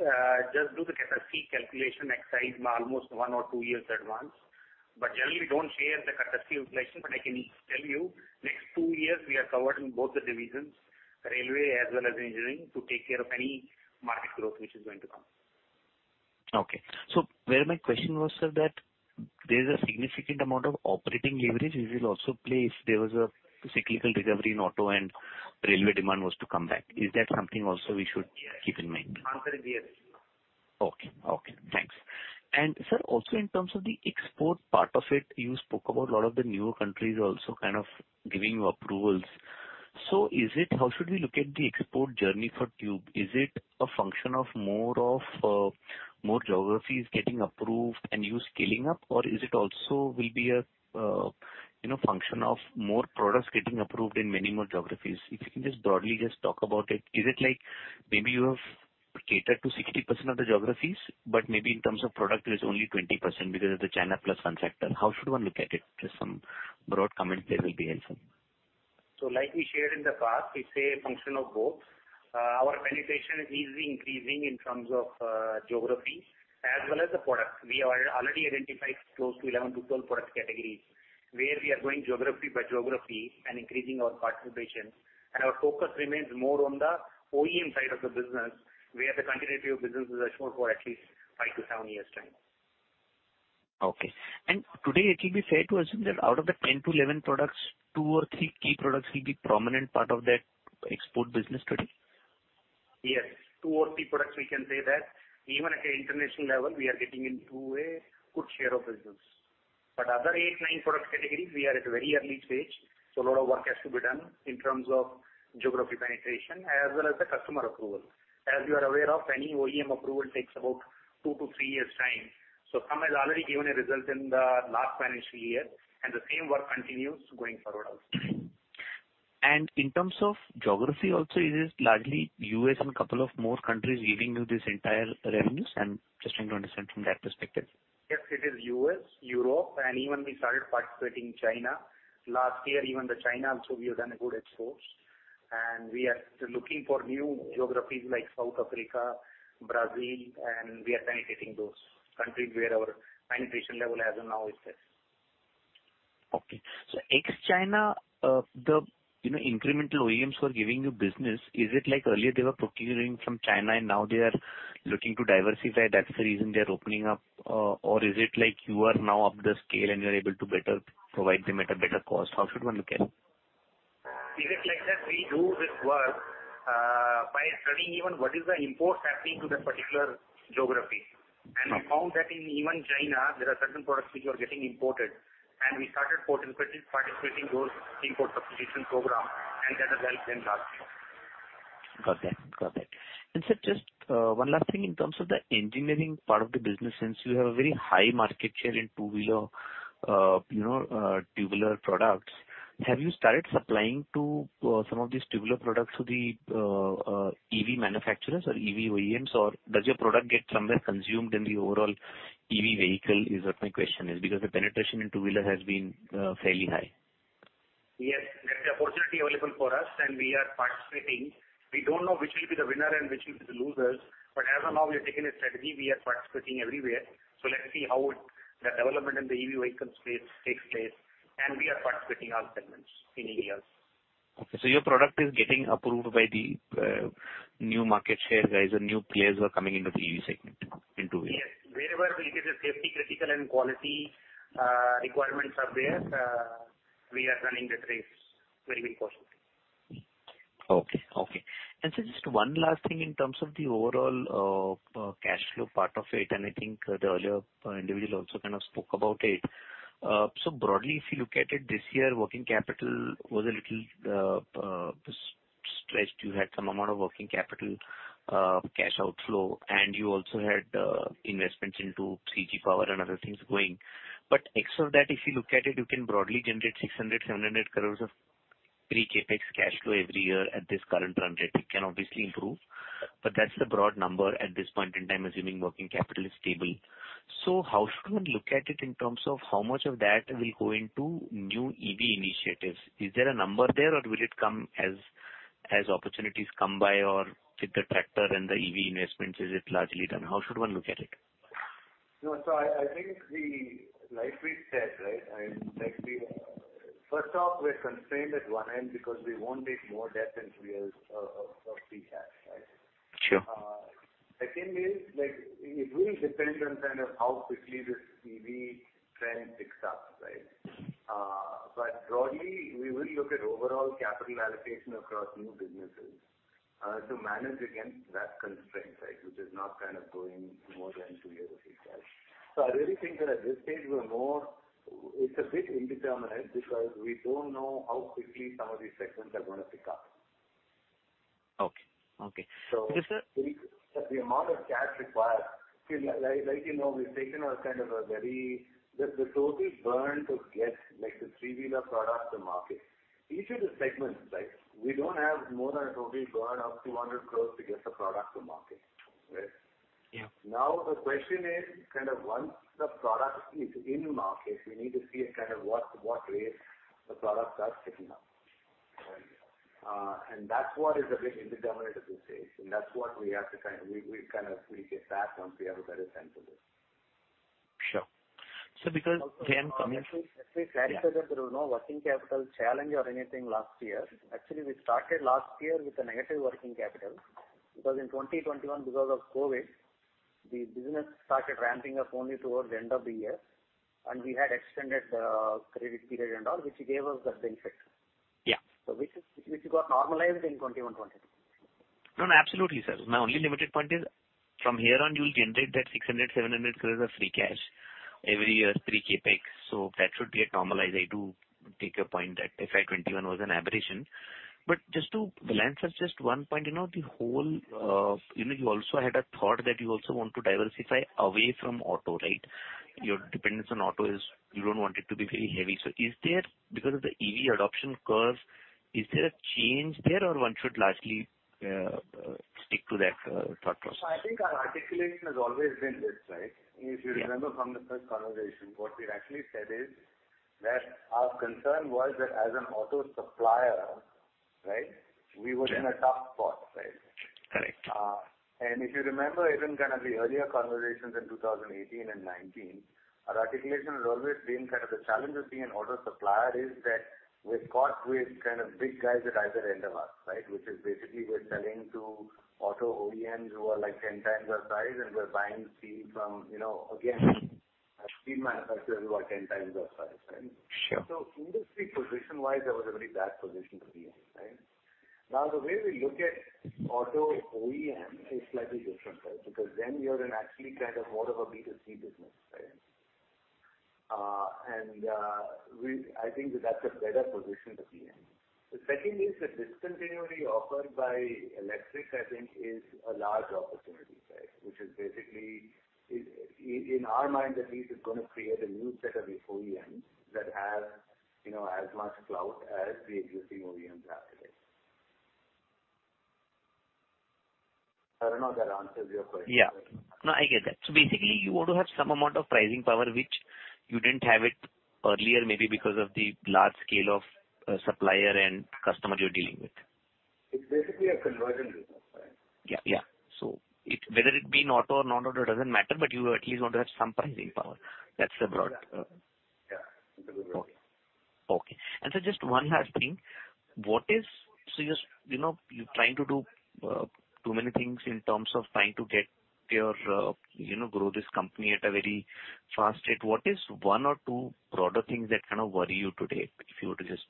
just do the capacity calculation exercise almost 1 or 2 years in advance, but generally we don't share the capacity utilization. I can tell you next two years we are covered in both the divisions, Railway as well as Engineering, to take care of any market growth which is going to come. Okay. Where my question was, sir, that there is a significant amount of operating leverage which will also play if there was a cyclical recovery in auto and railway demand was to come back. Is that something also we should keep in mind? I'm sorry. Okay. Okay, thanks. Sir, also in terms of the export part of it, you spoke about a lot of the newer countries also kind of giving you approvals. How should we look at the export journey for Tube? Is it a function of more of, more geographies getting approved and you scaling up? Or is it also will be a, you know, function of more products getting approved in many more geographies? If you can just broadly just talk about it. Is it like maybe you have catered to 60% of the geographies, but maybe in terms of product it is only 20% because of the China plus one factor. How should one look at it? Just some broad comments there will be helpful. Like we shared in the past, it's a function of both. Our penetration is increasing in terms of geography as well as the product. We have already identified close to 11-12 product categories where we are going geography by geography and increasing our participation. Our focus remains more on the OEM side of the business, where the continuity of business is assured for at least 5-7 years' time. Okay. Today it will be fair to assume that out of the 10-11 products, two or three key products will be prominent part of that export business today. Yes, two or three products we can say that even at the international level we are getting into a good share of business. Other eight, nine product categories, we are at a very early stage, so a lot of work has to be done in terms of geography penetration as well as the customer approval. As you are aware of, any OEM approval takes about 2-3 years' time. Some has already given a result in the last financial year and the same work continues going forward also. In terms of geography also, it is largely U.S. and couple of more countries giving you this entire revenues. I'm just trying to understand from that perspective. Yes, it is U.S., Europe, and even we started participating in China. Last year even the China also we have done a good exports and we are looking for new geographies like South Africa, Brazil, and we are penetrating those countries where our penetration level as of now is less. Okay. Ex-China, you know, the incremental OEMs who are giving you business, is it like earlier they were procuring from China and now they are looking to diversify, that's the reason they are opening up? Or is it like you are now up the scale and you are able to better provide them at a better cost? How should one look at it? Is it like that we do this work by studying even what is the imports happening to that particular geography. We found that in even China there are certain products which are getting imported and we started participating those import substitution program and that has helped them last year. Got that. Sir, just one last thing in terms of the engineering part of the business, since you have a very high market share in two-wheeler, you know, tubular products, have you started supplying to some of these tubular products to the EV manufacturers or EV OEMs? Or does your product get somewhat consumed in the overall EV vehicle, is what my question is. Because the penetration in two-wheeler has been fairly high. Yes, that's the opportunity available for us and we are participating. We don't know which will be the winner and which will be the losers, but as of now we have taken a strategy, we are participating everywhere. Let's see how the development in the EV vehicle space takes place and we are participating in all segments in EVs. Okay. Your product is getting approved by the new market share guys or new players who are coming into the EV segment in two-wheeler. Yes. Wherever we get a safety critical and quality requirements are there, we are running the tests wherever possible. Okay. Just one last thing in terms of the overall, cash flow part of it, and I think the earlier individual also kind of spoke about it. Broadly, if you look at it this year, working capital was a little, stretched. You had some amount of working capital, cash outflow, and you also had, investments into CG Power and other things going. But excluding that, if you look at it, you can broadly generate 600-700 crores of pre-CapEx cash flow every year at this current run rate. It can obviously improve, but that's the broad number at this point in time, assuming working capital is stable. How should one look at it in terms of how much of that will go into new EV initiatives? Is there a number there or will it come as opportunities come by or fit the tractor and the EV investments, is it largely done? How should one look at it? No. I think, like we said, right, I mean, like, first off, we're constrained at one end because we won't take more debt than three years of free cash, right? Sure. Second is like it really depends on kind of how quickly this EV trend picks up, right? But broadly, we will look at overall capital allocation across new businesses, to manage against that constraint, right? Which is not kind of going more than two years of free cash. I really think that at this stage we're more. It's a bit indeterminate because we don't know how quickly some of these segments are gonna pick up. Okay. Okay. So- Just a- The total burn to get, like, the three-wheeler product to market. Each of the segments, right? We don't have more than a total burn of 200 crore to get the product to market. Right? Yeah. Now the question is kind of once the product is in market. We need to see kind of what rate the product starts picking up. That's what is a bit indeterminate at this stage, and that's what we kind of will get once we have a better sense of this. Sure. Because again coming. Let me clarify that there was no working capital challenge or anything last year. Actually, we started last year with a negative working capital because in 2021 because of COVID, the business started ramping up only towards the end of the year and we had extended credit period and all, which gave us that benefit. Yeah. Which got normalized in 2021, 2022. No, no, absolutely, sir. My only limited point is from here on, you will generate that 600-700 crores of free cash every year, pre-CapEx. That should be a normalized. I do take your point that FY 2021 was an aberration. Just to balance this just one point, you know, the whole, you know, you also had a thought that you also want to diversify away from auto, right? Your dependence on auto is you don't want it to be very heavy. Is there, because of the EV adoption curve, a change there or one should largely stick to that thought process? I think our articulation has always been this, right? Yeah. If you remember from the first conversation, what we actually said is that our concern was that as an auto supplier, right, we were in a tough spot, right? Correct. If you remember even kind of the earlier conversations in 2018 and 2019, our articulation has always been kind of the challenge of being an auto supplier is that we're caught with kind of big guys at either end of us, right? Which is basically we're selling to auto OEMs who are like 10 times our size, and we're buying steel from, you know, again, a steel manufacturer who are 10 times our size, right? Sure. Industry position wise, that was a very bad position to be in, right? Now, the way we look at auto OEM is slightly different, right? Because then you're in actually kind of more of a B2C business, right? I think that that's a better position to be in. The second is the discontinuity offered by electric, I think, is a large opportunity, right? Which is basically in our mind at least it's gonna create a new set of OEMs that have, you know, as much clout as the existing OEMs have today. I don't know if that answers your question. Yeah. No, I get that. Basically you want to have some amount of pricing power which you didn't have it earlier, maybe because of the large scale of supplier and customer you're dealing with. It's basically a conversion business, right? Yeah. Yeah. It, whether it be an auto or non-auto, it doesn't matter, but you at least want to have some pricing power. That's the broad Yeah. That's the broad. Okay. Just one last thing. You're, you know, trying to do too many things in terms of trying to grow this company at a very fast rate. What is one or two broader things that kind of worry you today, if you were to just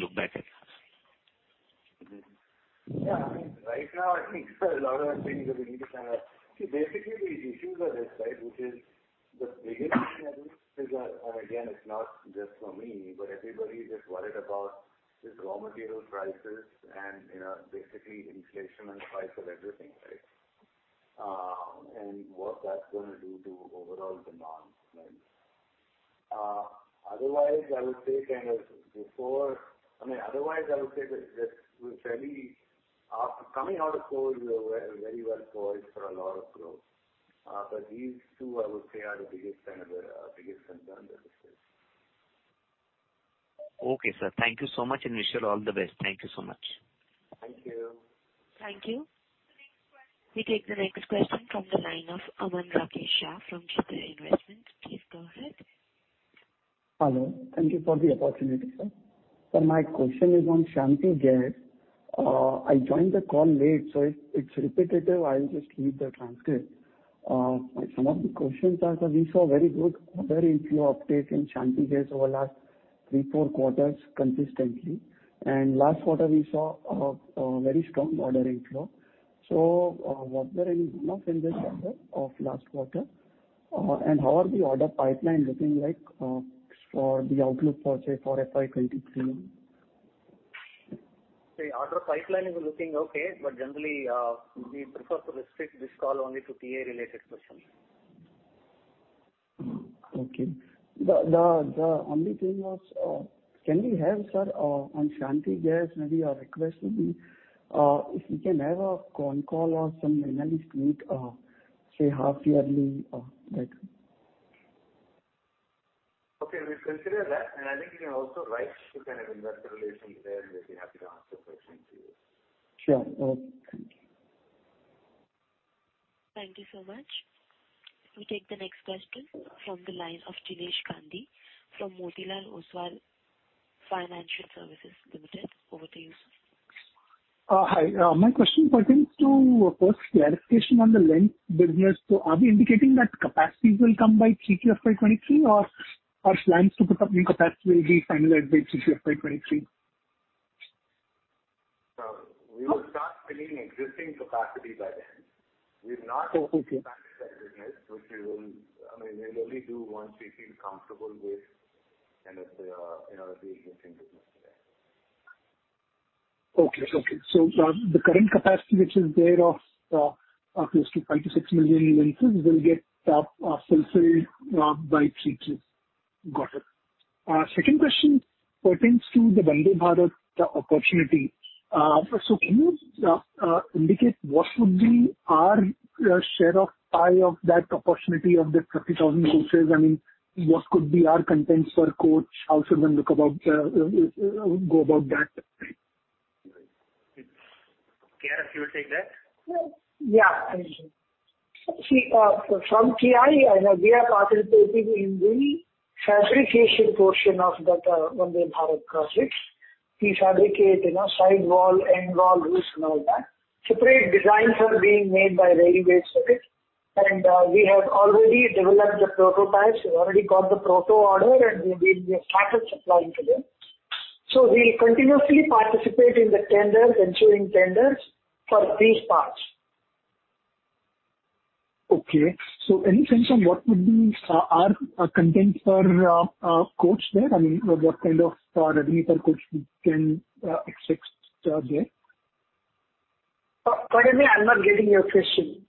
look back at us? I mean, right now, I think basically the issues are this, right, which is the biggest issue I think is, and again, it's not just for me, but everybody is just worried about these raw material prices and, you know, basically inflation and price of everything, right? What that's gonna do to overall demand, right? Otherwise I would say that after coming out of COVID, we're very well poised for a lot of growth. These two I would say are the biggest concern that exists. Okay, sir. Thank you so much and wish you all the best. Thank you so much. Thank you. Thank you. We take the next question from the line of Aman Rakesh Shah from Geeta Investments. Please go ahead. Hello. Thank you for the opportunity, sir. My question is on Shanthi Gears. I joined the call late, so if it's repetitive, I'll just read the transcript. Some of the questions are, we saw very good order inflow uptake in Shanthi Gears over last 3-4 quarters consistently. Last quarter we saw a very strong order inflow. What went wrong in this quarter or last quarter? How are the order pipeline looking like for the outlook for say, for FY 2023? The order pipeline is looking okay, but generally, we prefer to restrict this call only to TA related questions. Okay. The only thing was, can we have, sir, on Shanthi Gears, maybe a request would be, if we can have a con call or some analyst meet, say, half yearly, like. Okay. We'll consider that. I think you can also write to kind of investor relations there, and we'll be happy to answer questions for you. Sure. Thank you. Thank you so much. We take the next question from the line of Jinesh Gandhi from Motilal Oswal Financial Services Limited. Over to you, sir. My question pertains to first clarification on the lens business. Are we indicating that capacities will come by Q2 of FY 2023 or plans to put up new capacity will be finalized by Q2 of FY 2023? We will start filling existing capacity by then. Okay. expanded that business, which we will, I mean, we'll only do once we feel comfortable with kind of the, you know, the existing business today. The current capacity which is there of close to 5-6 million lenses will get fulfilled by Q2. Got it. Second question pertains to the Vande Bharat opportunity. Can you indicate what would be our share of pie of that opportunity of the 30,000 coaches? I mean, what could be our content per coach? How should one go about that? K.R. Srinivasan, if you would take that. Yeah. I'll take it. See, from TI, we are participating in the fabrication portion of that Vande Bharat projects. We fabricate, you know, side wall, end wall, roofs and all that. Separate designs are being made by Railways for it. We have already developed the prototypes. We've already got the proto order, and we have started supplying to them. We continuously participate in the tenders, ensuring tenders for these parts. Okay. Any sense on what would be our content per coach there? I mean, what kind of revenue per coach we can expect there? Pardon me, I'm not getting your question.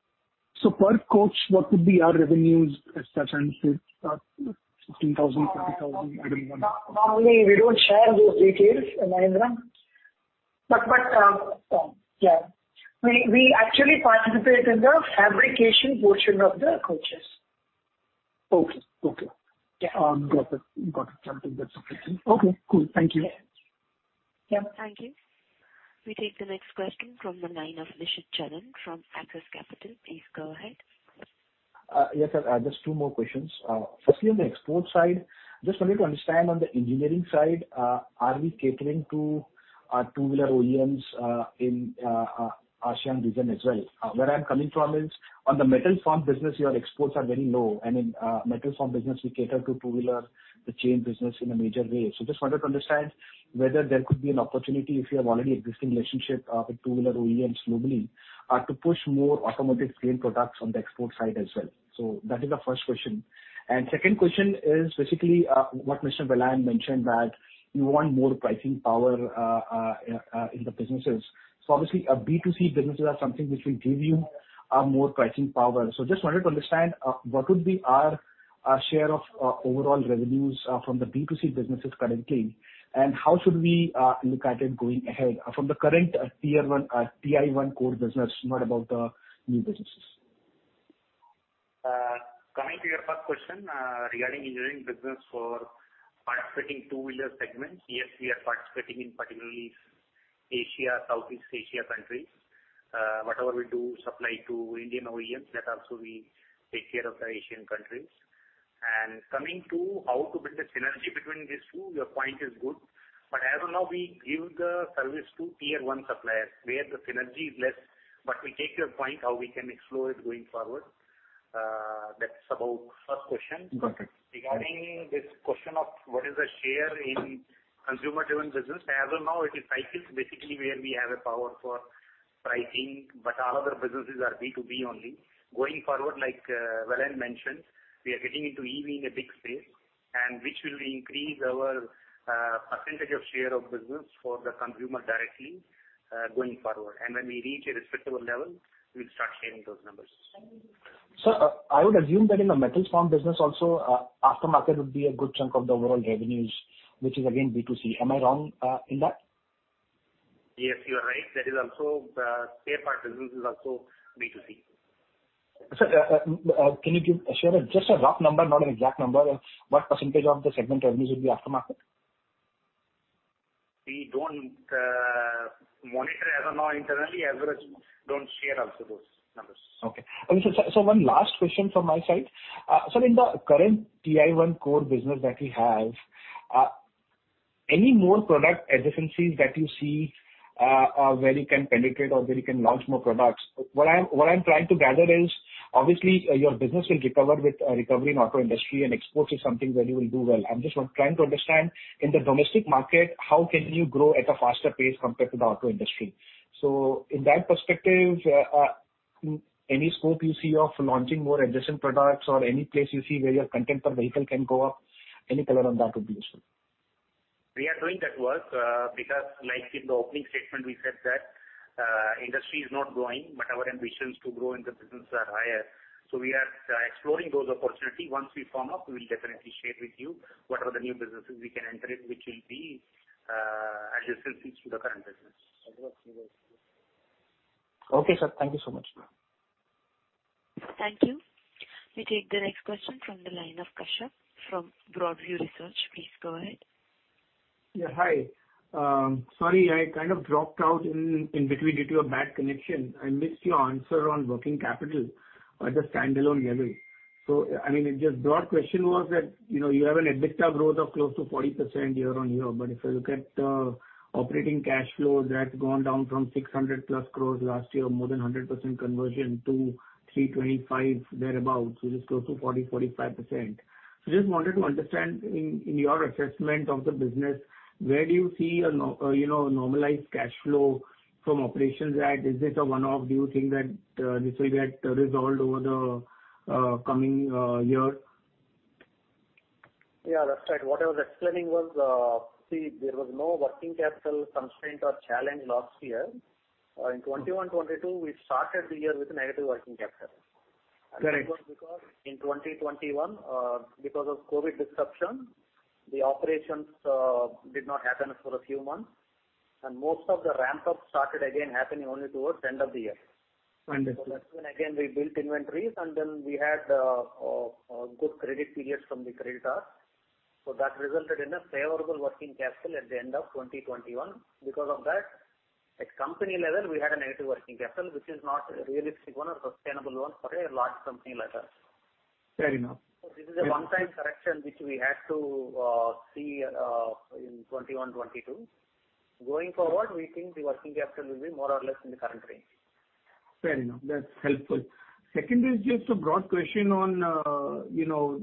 Per coach, what would be our revenues as such? Say, 15,000, 20,000, I don't know. No, normally we don't share those details, Mahendra. Yeah. We actually participate in the fabrication portion of the coaches. Okay. Okay. Yeah. Got it. Something that's okay then. Okay, cool. Thank you. Yeah. Thank you. We take the next question from the line of Rishabh Ja from Axis Capital. Please go ahead. Yes, sir, just two more questions. Firstly on the export side, just wanted to understand on the engineering side, are we catering to two-wheeler OEMs in the ASEAN region as well? Where I'm coming from is on the metal formed business, your exports are very low, and in metal formed business we cater to two-wheeler, the chain business in a major way. Just wanted to understand whether there could be an opportunity if you have already existing relationship with two-wheeler OEMs globally to push more automotive chain products on the export side as well. That is the first question. Second question is basically what Mr. Vellayan Subbiah mentioned, that you want more pricing power in the businesses. Obviously, B2C businesses are something which will give you more pricing power. Just wanted to understand what would be our share of overall revenues from the B2C businesses currently? How should we look at it going ahead from the current TI1 core business, not about the new businesses. Coming to your first question, regarding engineering business for participating two-wheeler segments. Yes, we are participating in particularly Asia, Southeast Asia countries. Whatever we do supply to Indian OEMs, that also we take care of the Asian countries. Coming to how to build a synergy between these two, your point is good. But as of now we give the service to tier one suppliers where the synergy is less. But we take your point how we can explore it going forward. That's about first question. Got it. Regarding this question of what is the share in consumer-driven business. As of now it is cycles basically where we have a power for pricing, but all other businesses are B2B only. Going forward, like, Vellayan mentioned, we are getting into EV in a big space, and which will increase our, percentage of share of business for the consumer directly, going forward. When we reach a respectable level, we'll start sharing those numbers. Thank you. Sir, I would assume that in the metal formed business also, aftermarket would be a good chunk of the overall revenues, which is again B2C. Am I wrong in that? Yes, you are right. That is also, the spare part business is also B2C. Sir, can you share just a rough number, not an exact number of what percentage of the segment revenues would be aftermarket? We don't monitor as of now internally as well as we don't share also those numbers. One last question from my side. Sir, in the current TI's core business that we have, any more product adjacencies that you see, where you can penetrate or where you can launch more products? What I'm trying to gather is, obviously your business will recover with recovery in auto industry and exports is something where you will do well. I'm just trying to understand in the domestic market, how can you grow at a faster pace compared to the auto industry? In that perspective, any scope you see of launching more adjacent products or any place you see where your content per vehicle can go up, any color on that would be useful. We are doing that work, because like in the opening statement we said that, industry is not growing, but our ambitions to grow in the business are higher. We are exploring those opportunities. Once we firm up, we will definitely share with you what are the new businesses we can enter in, which will be, adjacencies to the current business. Okay, sir. Thank you so much. Thank you. We take the next question from the line of Kashyap Pujara from Broadview Research. Please go ahead. Yeah, hi. Sorry, I kind of dropped out in between due to a bad connection. I missed your answer on working capital at the standalone level. I mean, it's a broad question was that, you know, you have an EBITDA growth of close to 40% year-on-year. But if I look at operating cash flow, that's gone down from 600+ crores last year, more than 100% conversion to 325 there about, so just close to 40%-45%. Just wanted to understand in your assessment of the business, where do you see a normalized cash flow from operations at? Is this a one-off? Do you think that this will get resolved over the coming year? Yeah, that's right. What I was explaining was, see, there was no working capital constraint or challenge last year. In 2021, 2022, we started the year with negative working capital. Correct. It was because in 2021, because of COVID disruption, the operations did not happen for a few months, and most of the ramp-up started again happening only towards end of the year. Understood. That's when again we built inventories and then we had good credit periods from the creditors. That resulted in a favorable working capital at the end of 2021. Because of that, at company level we had a negative working capital, which is not a realistic one or sustainable one for a large company like us. Fair enough. This is a one-time correction which we had to see in 2021-2022. Going forward, we think the working capital will be more or less in the current range. Fair enough. That's helpful. Second is just a broad question on, you know,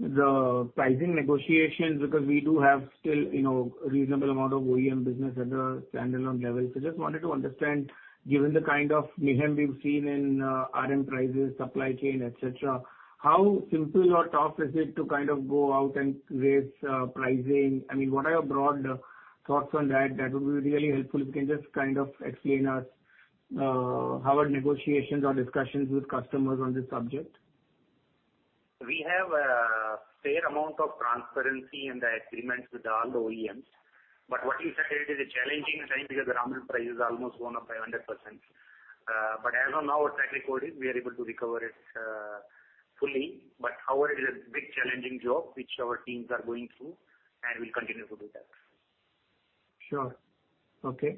the pricing negotiations, because we do have still, you know, a reasonable amount of OEM business at a standalone level. Just wanted to understand, given the kind of mayhem we've seen in, RM prices, supply chain, et cetera, how simple or tough is it to kind of go out and raise, pricing? I mean, what are your broad thoughts on that? That would be really helpful if you can just kind of explain to us how the negotiations or discussions with customers on this subject. We have a fair amount of transparency in the agreements with all the OEMs. What you said, it is a challenging time because the raw material price has almost gone up by 100%. As of now, our track record is we are able to recover it fully, but however it is a big challenging job which our teams are going through and will continue to do that. Sure. Okay.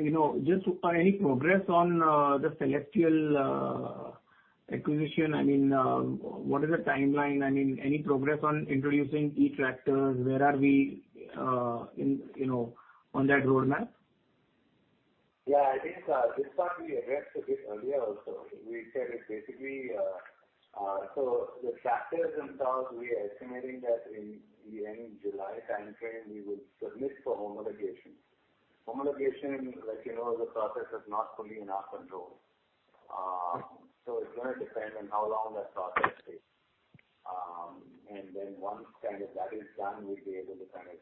You know, just any progress on the Cellestial acquisition? I mean, what is the timeline? I mean, any progress on introducing e-tractors? Where are we, you know, on that roadmap? Yeah, I think, this part we addressed a bit earlier also. We said it basically, so the tractors themselves, we are estimating that in the end July timeframe, we will submit for homologation. Homologation, like you know, the process is not fully in our control. It's gonna depend on how long that process takes. Once kind of that is done, we'll be able to kind of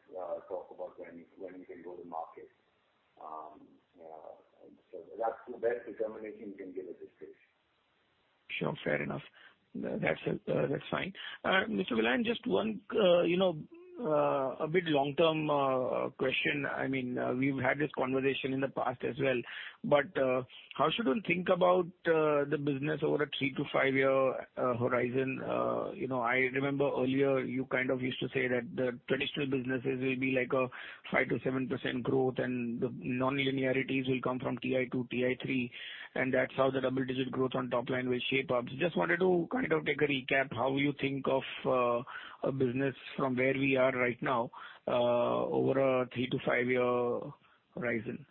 talk about when we can go to market. That's the best determination we can give at this stage. Sure. Fair enough. That's fine. Mr. Vellayan Subbiah, just one, you know, a bit long-term question. I mean, we've had this conversation in the past as well, but how should one think about the business over a 3-5 year horizon? You know, I remember earlier you kind of used to say that the traditional businesses will be like a 5%-7% growth and the nonlinearities will come from TI 2, TI 3, and that's how the double-digit growth on top line will shape up. Just wanted to kind of take a recap how you think of a business from where we are right now over a 3-5 year horizon.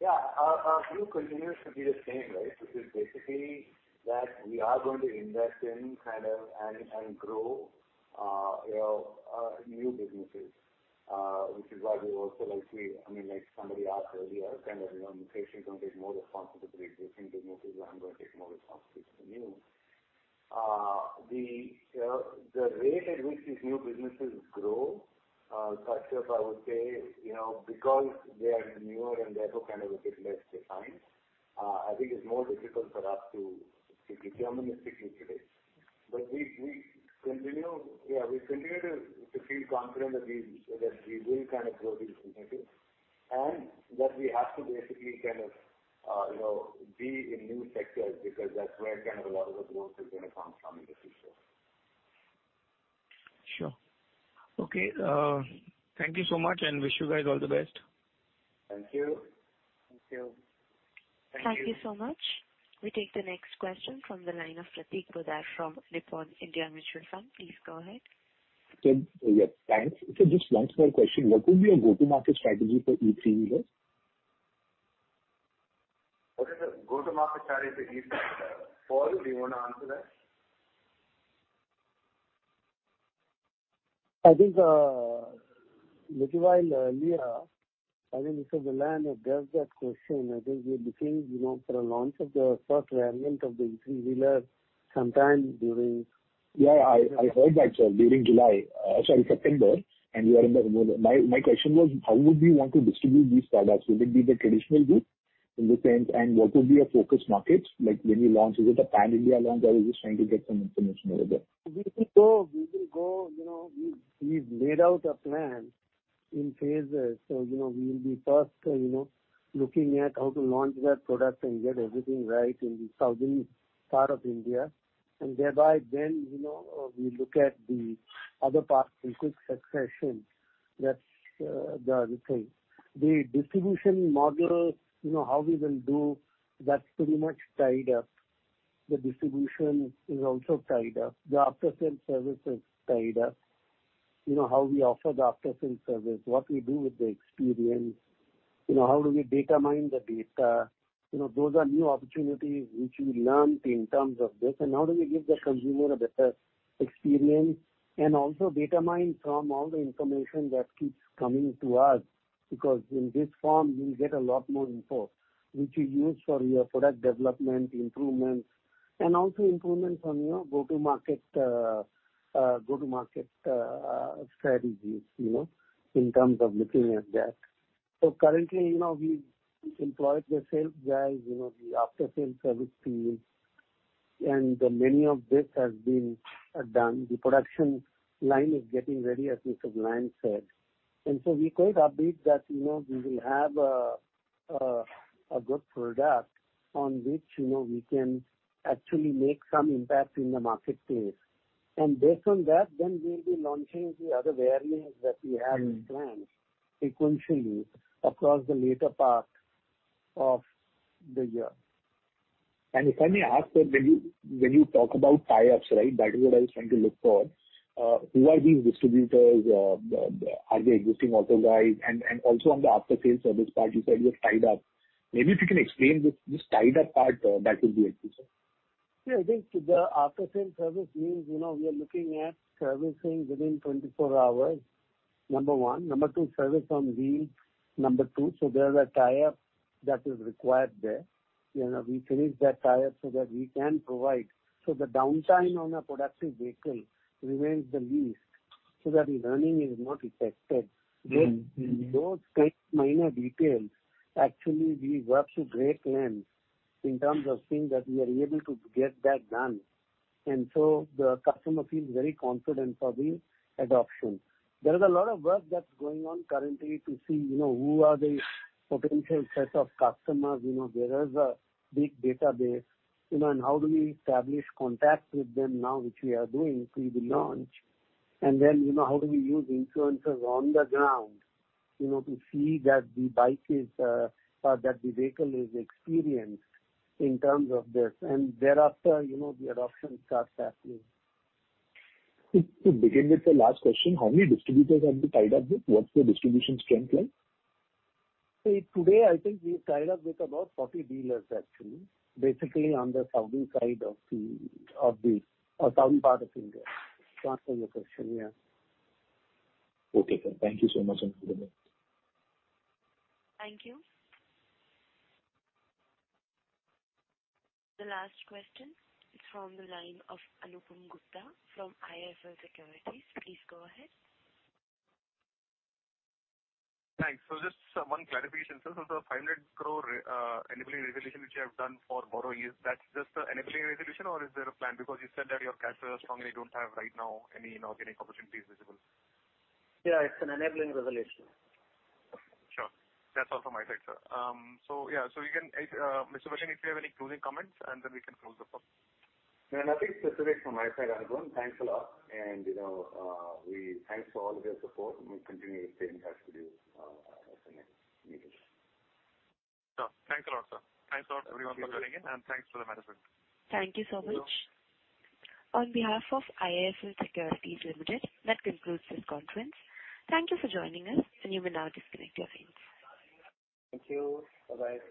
Yeah. Our view continues to be the same, right? Which is basically that we are going to invest in kind of and grow, you know, new businesses, which is why we also I mean, like somebody asked earlier, kind of, you know, Mukesh is gonna take more responsibility of existing businesses. I'm gonna take more responsibility for the new. The rate at which these new businesses grow, Satya I would say, you know, because they are newer and therefore kind of a bit less defined, I think it's more difficult for us to deterministically predict. We continue to feel confident that we will kind of grow these initiatives and that we have to basically kind of, you know, be in new sectors because that's where kind of a lot of the growth is gonna come from in the future. Sure. Okay. Thank you so much, and wish you guys all the best. Thank you. Thank you. Thank you. Thank you so much. We take the next question from the line of Prateek Poddar from Nippon India Mutual Fund. Please go ahead. Sir, yeah, thanks. Sir, just one small question. What would be your go-to-market strategy for e-three-wheeler? What is the go-to-market strategy for e-trike? Paul, do you wanna answer that? I think, little while earlier, I think Mr. Vellayan addressed that question. I think we are looking, you know, for a launch of the first variant of the e-three-wheeler sometime during Yeah, I heard that, sir, during July, sorry, September. My question was how would we want to distribute these products? Will it be the traditional route in the sense and what would be your focus markets like when you launch? Is it a pan-India launch? I was just trying to get some information over there. We will go, you know, we've laid out a plan in phases. You know we will be first, you know, looking at how to launch that product and get everything right in the southern part of India and thereby then, you know, we look at the other parts in quick succession. That's the thing. The distribution model, you know, how we will do, that's pretty much tied up. The distribution is also tied up. The after-sale service is tied up. You know, how we offer the after-sale service, what we do with the experience, you know, how do we data mine the data. You know, those are new opportunities which we learned in terms of this and how do we give the consumer a better experience and also data mine from all the information that keeps coming to us. Because in this form we'll get a lot more input which we use for your product development, improvements and also improvements on, you know, go-to-market strategies, you know, in terms of looking at that. Currently, you know, we employ the sales guys, you know, the after-sale service team and many of these has been done. The production line is getting ready, as Mr. Vellayan Subbiah said. We're quite upbeat that, you know, we will have a good product on which, you know, we can actually make some impact in the market space. Based on that, then we'll be launching the other variants that we have in plan sequentially across the later part of the year. If I may ask, sir, when you talk about tie-ups, right? That is what I was trying to look for. Who are these distributors? Are they existing authorized? Also on the after-sales service part, you said you have tied up. Maybe if you can explain this tied-up part, that will be helpful. Yeah, I think the after-sales service means, you know, we are looking at servicing within 24 hours, number one. Number two, service on wheels, number two. There's a tie-up that is required there. You know, we finish that tie-up so that we can provide, so the downtime on a productive vehicle remains the least, so that the earning is not affected. Mm-hmm. Those kind minor details, actually, we work to great lengths in terms of seeing that we are able to get that done. The customer feels very confident for the adoption. There is a lot of work that's going on currently to see, you know, who are the potential set of customers. You know, there is a big database, you know, and how do we establish contact with them now, which we are doing pre the launch. You know, how do we use influencers on the ground, you know, to see that the bike is, or that the vehicle is experienced in terms of this. Thereafter, you know, the adoption starts happening. To begin with the last question, how many distributors have you tied up with? What's the distribution strength like? See, today I think we've tied up with about 40 dealers, actually. Basically, on the southern side of the southern part of India. To answer your question, yeah. Okay, sir. Thank you so much. Good day. Thank you. The last question is from the line of Anupam Gupta from IIFL Securities. Please go ahead. Thanks. Just one clarification, sir. The 500 crore enabling resolution which you have done for borrowings is that just enabling resolution or is there a plan? Because you said that your cash flows are strong and you don't have right now any inorganic opportunities visible. Yeah, it's an enabling resolution. Sure. That's all from my side, sir. Yeah. We can, Mr. Vellayan Subbiah, if you have any closing comments, and then we can close the call. No, nothing specific from my side, Anupam. Thanks a lot. You know, we thank you for all of your support, and we'll continue updating as we do at the next meeting. Sure. Thanks a lot, sir. Thanks a lot everyone for joining in, and thanks for the management. Thank you so much. On behalf of IIFL Securities Limited, that concludes this conference. Thank you for joining us, and you may now disconnect your phones. Thank you. Bye-bye.